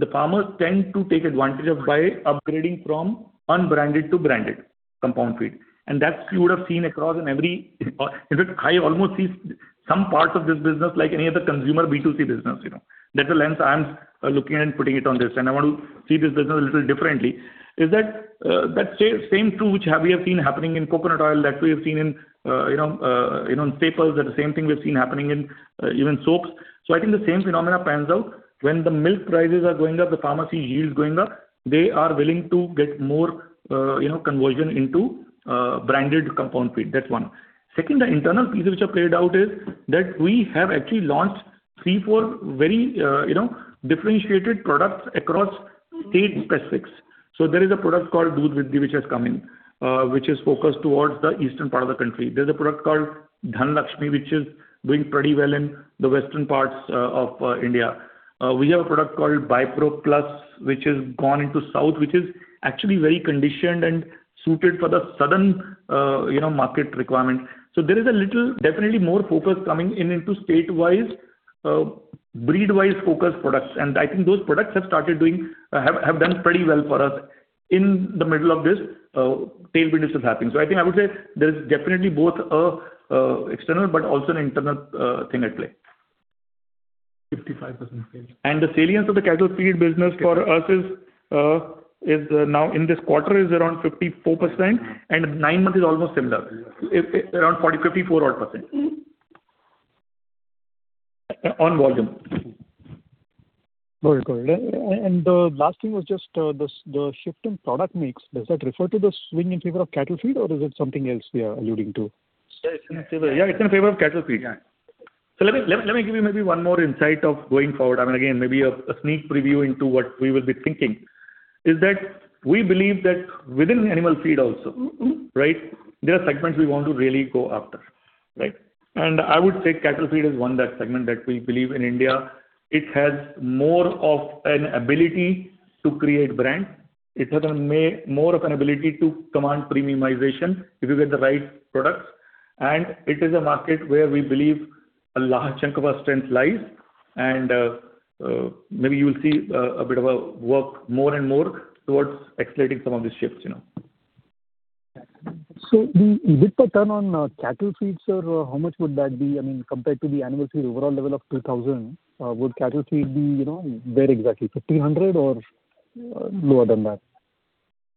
the farmers tend to take advantage of by upgrading from unbranded to branded compound feed. That you would have seen across in every... In fact, I almost see some parts of this business like any other consumer B2C business, you know. That's the lens I'm looking at and putting it on this, and I want to see this business a little differently. Is that same true, which we have seen happening in coconut oil, that we have seen in, you know, in Pears, that the same thing we've seen happening in even soaps. So I think the same phenomena pans out when the milk prices are going up, the forage yield is going up, they are willing to get more, you know, conversion into branded compound feed. That's one. Second, the internal pieces which are played out is that we have actually launched three, four, very, you know, differentiated products across state specifics. So there is a product called Doodh Vriddhi, which has come in, which is focused towards the eastern part of the country. There's a product called Dhanlaxmi, which is doing pretty well in the western parts, of, India. We have a product called Bypro Plus, which has gone into south, which is actually very conditioned and suited for the southern, you know, market requirement. So there is a little, definitely more focus coming in, into state-wise, breed-wise focused products. And I think those products have started doing, have, have done pretty well for us in the middle of this, tailwind which is happening. So I think I would say there is definitely both a, external, but also an internal, thing at play. 55%. The salience of the cattle feed business for us is, is now in this quarter, is around 54%, and nine months is almost similar. It, it's around 40%, 54%-odd. On volume. Very good. And the last thing was just the shift in product mix. Does that refer to the swing in favor of cattle feed, or is it something else we are alluding to? Yeah, it's in favor of cattle feed, yeah. So let me give you maybe one more insight of going forward. I mean, again, maybe a sneak preview into what we will be thinking, is that we believe that within the Animal Feed also, right, there are segments we want to really go after, right? And I would say cattle feed is one that segment that we believe in India. It has more of an ability to create brand. It has more of an ability to command premiumization, if you get the right products.... And it is a market where we believe a large chunk of our strength lies, and maybe you will see a bit of a work more and more towards accelerating some of these shifts, you know. So the EBIT per ton on cattle feeds, sir, how much would that be? I mean, compared to the annual feed overall level of 2000, would cattle feed be, you know, where exactly, 1500 or lower than that?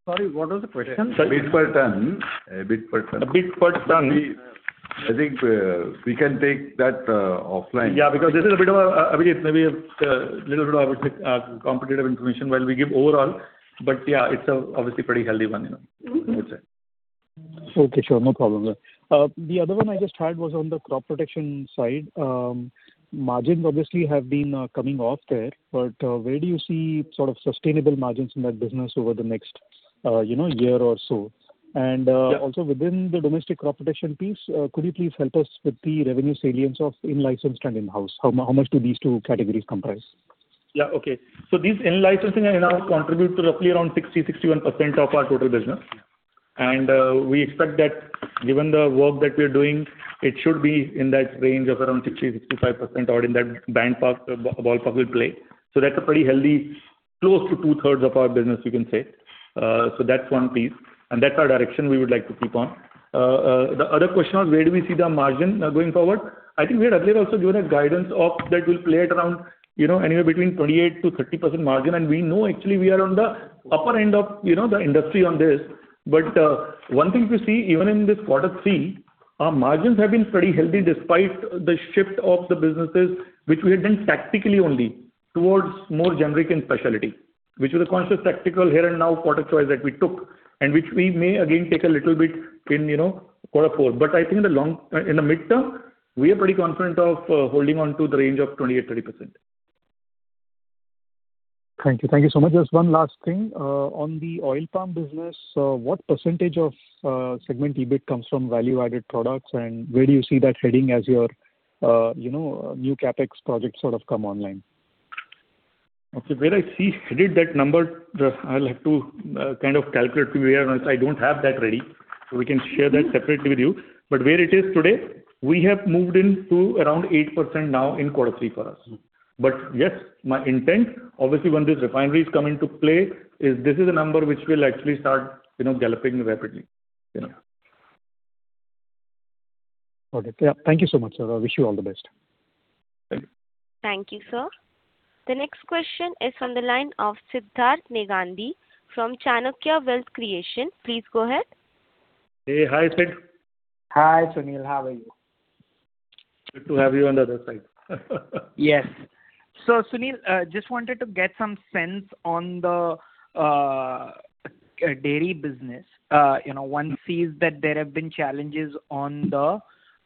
Sorry, what was the question? EBIT per ton, bit per ton. EBIT per ton. I think we can take that offline. Yeah, because this is a bit of maybe a little bit of, I would say, competitive information. Well, we give overall, but yeah, it's obviously pretty healthy one, you know. Okay, sure. No problem, sir. The other one I just had was on the Crop Protection side. Margins obviously have been coming off there, but where do you see sort of sustainable margins in that business over the next, you know, year or so? Yeah. Also within the domestic Crop Protection piece, could you please help us with the revenue salience of in-license and in-house? How much do these two categories comprise? Yeah. Okay. So these in-licensing and in-house contribute to roughly around 60-61% of our total business. And we expect that given the work that we are doing, it should be in that range of around 60-65% or in that ballpark, ball park will play. So that's a pretty healthy, close to two-thirds of our business, you can say. So that's one piece, and that's our direction we would like to keep on. The other question on where do we see the margin going forward? I think we had earlier also given a guidance of that will play at around, you know, anywhere between 28%-30% margin, and we know actually we are on the upper end of, you know, the industry on this. But one thing to see, even in this quarter three, our margins have been pretty healthy despite the shift of the businesses, which we had done tactically only towards more generic and specialty, which was a conscious tactical here and now product choice that we took, and which we may again take a little bit in, you know, quarter four. But I think in the long, in the midterm, we are pretty confident of holding on to the range of 28%-30%. Thank you. Thank you so much. Just one last thing. On the Oil Palm business, what percentage of segment EBIT comes from value-added products, and where do you see that heading as your, you know, new CapEx projects sort of come online? Okay. Where I see headed, that number, I'll have to kind of calculate to where, I don't have that ready, so we can share that separately with you. But where it is today, we have moved into around 8% now in quarter three for us. But yes, my intent, obviously, when these refineries come into play, is this is a number which will actually start, you know, galloping rapidly, you know. Okay. Yeah. Thank you so much, sir. I wish you all the best. Thank you. Thank you, sir. The next question is from the line of Siddharth Menghani from Chanakya Wealth Creation. Please go ahead. Hey, hi, Sid. Hi, Sunil. How are you? Good to have you on the other side. Yes. So, Sunil, just wanted to get some sense on the, dairy business. You know, one sees that there have been challenges on the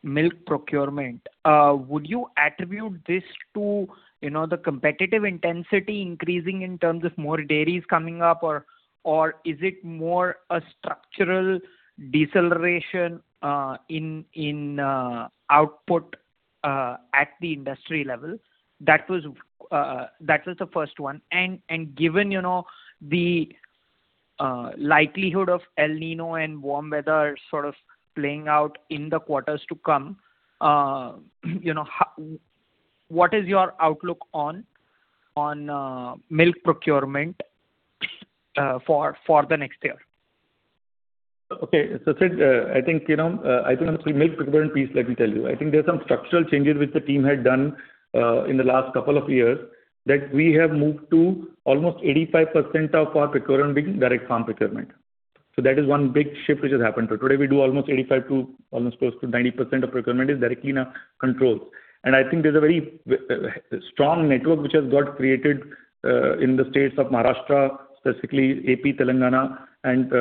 milk procurement. Would you attribute this to, you know, the competitive intensity increasing in terms of more dairies coming up, or, or is it more a structural deceleration, in output, at the industry level? That was, that was the first one. And, and given, you know, the likelihood of El Niño and warm weather sort of playing out in the quarters to come, you know, how... What is your outlook on, on milk procurement, for, for the next year? Okay. So, Sid, I think, you know, I think on the milk procurement piece, let me tell you. I think there are some structural changes which the team had done in the last couple of years, that we have moved to almost 85% of our procurement being direct farm procurement. So that is one big shift which has happened. So today, we do almost 85% to almost close to 90% of procurement is directly in our control. And I think there's a very strong network which has got created in the states of Maharashtra, specifically AP, Telangana, and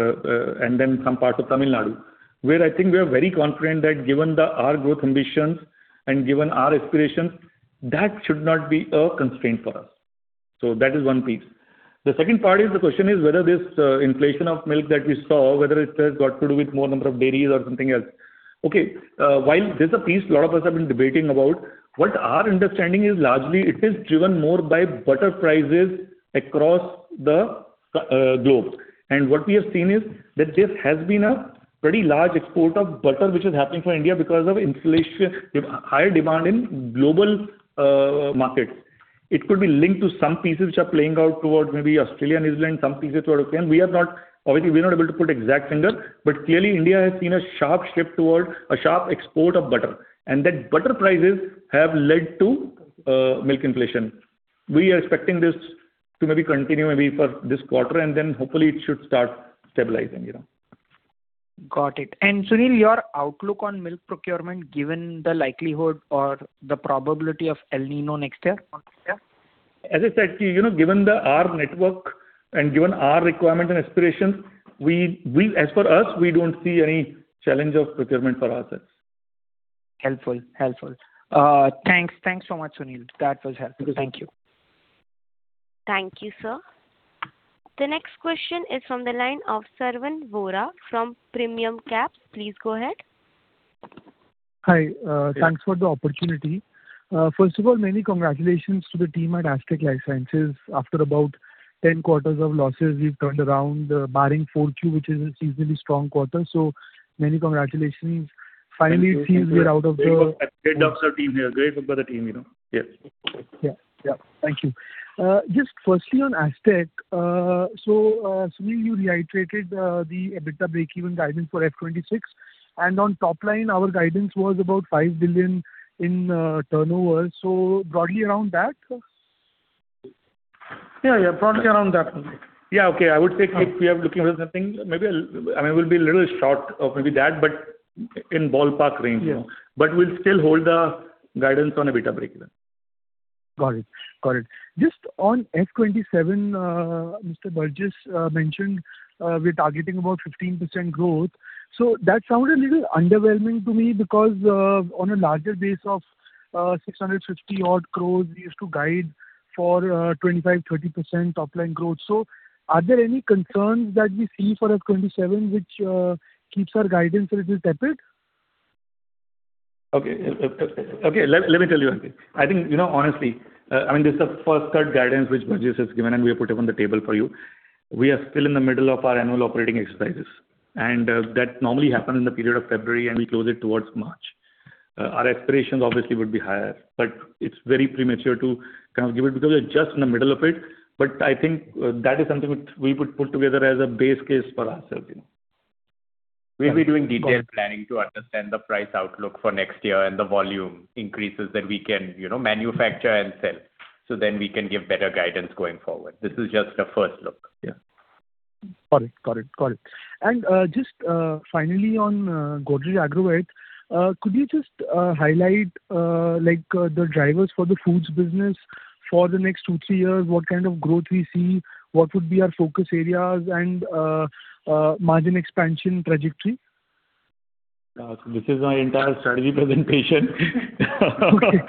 then some part of Tamil Nadu, where I think we are very confident that given the our growth ambitions and given our aspiration, that should not be a constraint for us. So that is one piece. The second part is the question is whether this, inflation of milk that we saw, whether it has got to do with more number of dairies or something else. Okay, while there's a piece a lot of us have been debating about, what our understanding is largely it is driven more by butter prices across the, globe. And what we have seen is that there has been a pretty large export of butter, which is happening for India because of inflation, higher demand in global, markets. It could be linked to some pieces which are playing out towards maybe Australia, New Zealand, some pieces toward France. We are not obviously, we're not able to put exact finger, but clearly, India has seen a sharp shift toward a sharp export of butter, and that butter prices have led to, milk inflation. We are expecting this to maybe continue maybe for this quarter, and then hopefully it should start stabilizing, you know. Got it. And, Sunil, your outlook on milk procurement, given the likelihood or the probability of El Niño next year, on next year? As I said to you, you know, given our network and given our requirement and aspirations, we, as for us, we don't see any challenge of procurement for ourselves. Helpful, helpful. Thanks, thanks so much, Sunil. That was helpful. Thank you. Thank you, sir. The next question is from the line of Sarvan Vora from Premium Cap. Please go ahead.... Hi, thanks for the opportunity. First of all, many congratulations to the team at Astec LifeSciences. After about 10 quarters of losses, we've turned around, barring Q4, which is a seasonally strong quarter. So many congratulations. Finally, it seems we're out of the- Great job for the team here. Great work by the team, you know. Yes. Yeah. Yeah, thank you. Just firstly, on Astec, so, Sunil, you reiterated the EBITDA break-even guidance for FY26, and on top line, our guidance was about 5 billion in turnover, so broadly around that? Yeah, yeah, broadly around that. Yeah, okay. I would say, like, we are looking at something maybe, I mean, we'll be a little short of maybe that, but in ballpark range. Yeah. But we'll still hold the guidance on EBITDA break-even. Got it. Got it. Just on FY 2027, Mr. Burjis mentioned, we're targeting about 15% growth. So that sounded a little underwhelming to me because, on a larger base of 650-odd crores, we used to guide for 25%-30% top line growth. So are there any concerns that we see for FY 2027, which keeps our guidance a little tepid? Okay. Okay, let me tell you, I think, you know, honestly, I mean, this is the first third guidance which Burjis has given, and we have put it on the table for you. We are still in the middle of our annual operating exercises, and that normally happen in the period of February, and we close it towards March. Our aspirations obviously would be higher, but it's very premature to kind of give it, because we're just in the middle of it. But I think, that is something which we would put together as a base case for ourselves. We'll be doing detailed planning to understand the price outlook for next year and the volume increases that we can, you know, manufacture and sell, so then we can give better guidance going forward. This is just a first look. Yeah. Got it. Got it, got it. And just finally on Godrej Agrovet, could you just highlight like the drivers for the foods business for the next 2-3 years? What kind of growth we see, what would be our focus areas and margin expansion trajectory? This is my entire strategy presentation. Okay.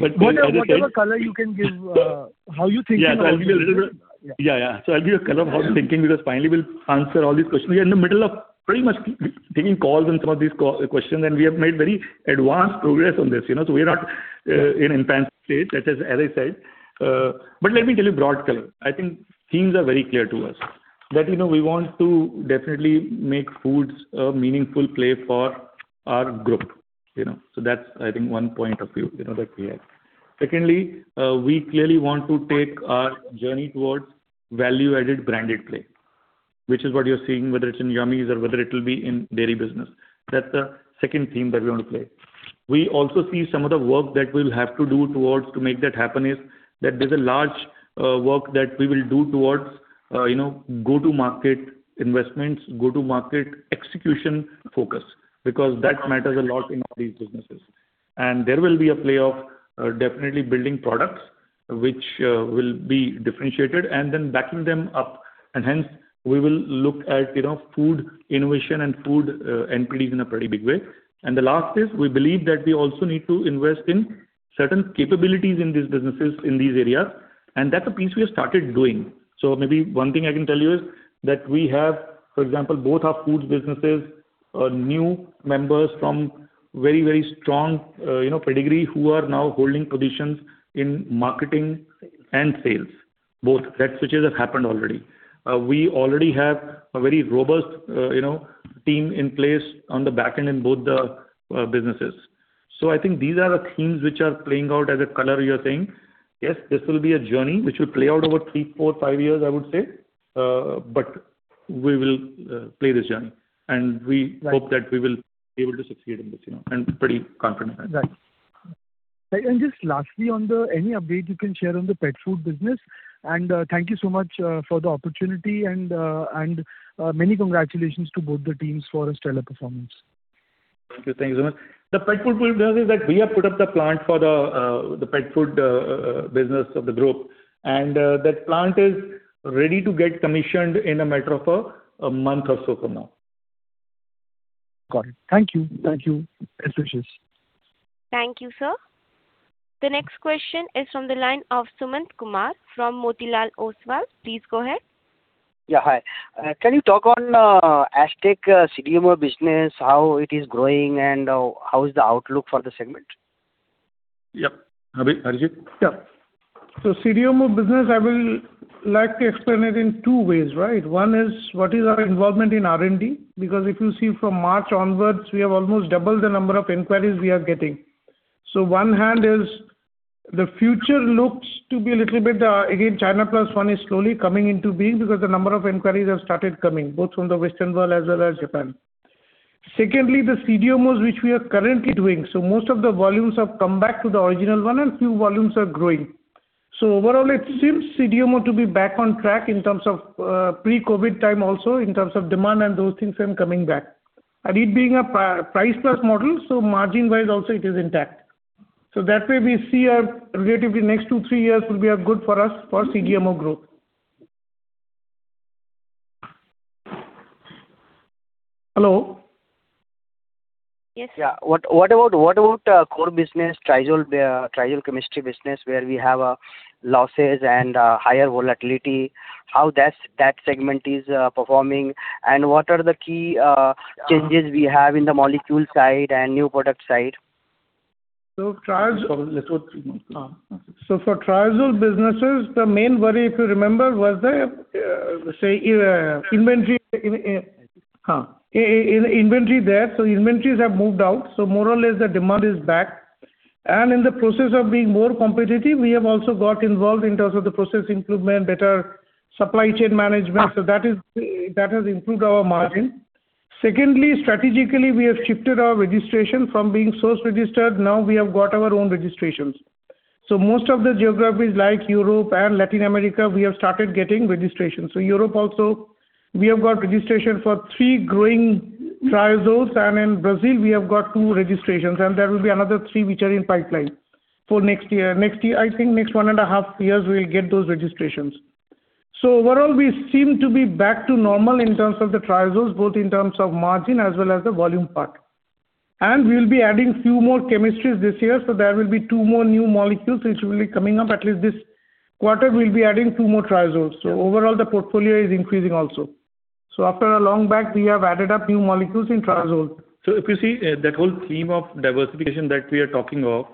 But- What other color you can give, how you're thinking- Yeah, so I'll give you a little bit- Yeah. Yeah, yeah. So I'll give you a color of how we're thinking, because finally we'll answer all these questions. We are in the middle of pretty much taking calls on some of these questions, and we have made very advanced progress on this, you know, so we are not in infant state, that is, as I said. But let me tell you broad color. I think themes are very clear to us, that, you know, we want to definitely make foods a meaningful play for our group, you know. So that's, I think, one point of view, you know, that we have. Secondly, we clearly want to take our journey towards value-added branded play, which is what you're seeing, whether it's in Yummiez or whether it will be in Dairy business. That's the second theme that we want to play. We also see some of the work that we'll have to do towards to make that happen is, that there's a large, work that we will do towards, you know, go-to-market investments, go-to-market execution focus, because that matters a lot in all these businesses. And there will be a play of, definitely building products which, will be differentiated and then backing them up. And hence, we will look at, you know, food innovation and food, entities in a pretty big way. And the last is, we believe that we also need to invest in certain capabilities in these businesses, in these areas, and that's a piece we have started doing. So maybe one thing I can tell you is that we have, for example, both our foods businesses, new members from very, very strong, you know, pedigree, who are now holding positions in marketing and sales, both. That switches have happened already. We already have a very robust, you know, team in place on the back end in both the businesses. So I think these are the themes which are playing out as a color, you're saying. Yes, this will be a journey which will play out over three, four, five years, I would say, but we will play this journey, and we- Right. Hope that we will be able to succeed in this, you know, and pretty confident. Right. And just lastly, on the... Any update you can share on the pet food business? And, thank you so much, for the opportunity and many congratulations to both the teams for a stellar performance. Thank you. Thank you so much. The pet food business is that we have put up the plant for the pet food business of the group, and that plant is ready to get commissioned in a matter of a month or so from now. Got it. Thank you. Thank you. Best wishes. Thank you, sir. The next question is from the line of Sumant Kumar from Motilal Oswal. Please go ahead. Yeah, hi. Can you talk on Astec CDMO business, how it is growing, and how is the outlook for the segment? Yep. Abhi, Arijit? Yeah. So CDMO business, I will like to explain it in two ways, right? One is what is our involvement in R&D? Because if you see from March onwards, we have almost doubled the number of inquiries we are getting. So one hand is the future looks to be a little bit, again, China plus one is slowly coming into being, because the number of inquiries have started coming both from the Western world as well as Japan. Secondly, the CDMOs, which we are currently doing, so most of the volumes have come back to the original one, and few volumes are growing. So overall, it seems CDMO to be back on track in terms of, pre-COVID time also, in terms of demand and those things are coming back. And it being a price plus model, so margin-wise also it is intact. So that way we see our relatively next two, three years will be good for us for CDMO growth. Hello? Yes. Yeah. What about the core business, Triazole chemistry business, where we have losses and higher volatility? How that segment is performing, and what are the key changes we have in the molecule side and new product side? ... So triazole, so for Triazole businesses, the main worry, if you remember, was the, say, inventory, in, in, inventory there. So inventories have moved out, so more or less the demand is back. And in the process of being more competitive, we have also got involved in terms of the process improvement, better supply chain management, so that is, that has improved our margin. Secondly, strategically, we have shifted our registration from being source registered, now we have got our own registrations. So most of the geographies like Europe and Latin America, we have started getting registrations. So Europe also, we have got registration for three growing triazoles, and in Brazil, we have got two registrations, and there will be another three which are in pipeline for next year. Next year, I think next one and a half years, we'll get those registrations. Overall, we seem to be back to normal in terms of the triazoles, both in terms of margin as well as the volume part. We will be adding few more chemistries this year, so there will be two more new molecules which will be coming up. At least this quarter, we'll be adding two more triazoles. Overall, the portfolio is increasing also. After a long back, we have added a few molecules in triazole. So, if you see that whole theme of diversification that we are talking of,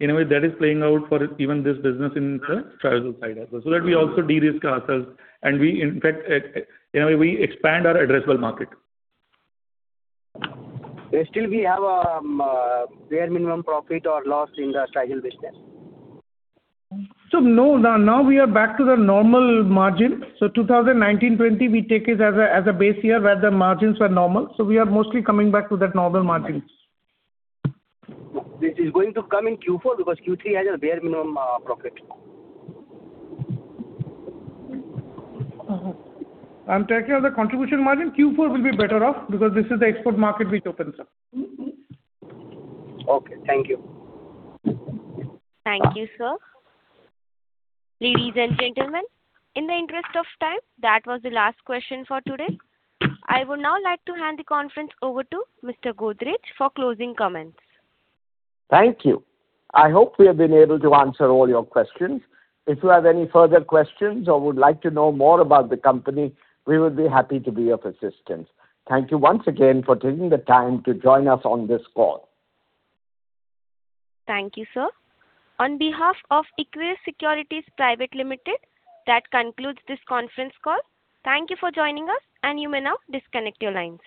in a way, that is playing out for even this business in the triazole side as well, so that we also de-risk ourselves and we, in fact, in a way, we expand our addressable market. Still, we have bare minimum profit or loss in the Triazole business? So, no, now we are back to the normal margin. So, 2019, 2020, we take it as a base year where the margins were normal, so we are mostly coming back to that normal margins. This is going to come in Q4 because Q3 has a bare minimum profit. Uh-huh. I'm talking of the contribution margin. Q4 will be better off because this is the export market which opens up. Okay, thank you. Thank you, sir. Ladies and gentlemen, in the interest of time, that was the last question for today. I would now like to hand the conference over to Mr. Godrej for closing comments. Thank you. I hope we have been able to answer all your questions. If you have any further questions or would like to know more about the company, we would be happy to be of assistance. Thank you once again for taking the time to join us on this call. Thank you, sir. On behalf of Equirus Securities Private Limited, that concludes this conference call. Thank you for joining us, and you may now disconnect your lines.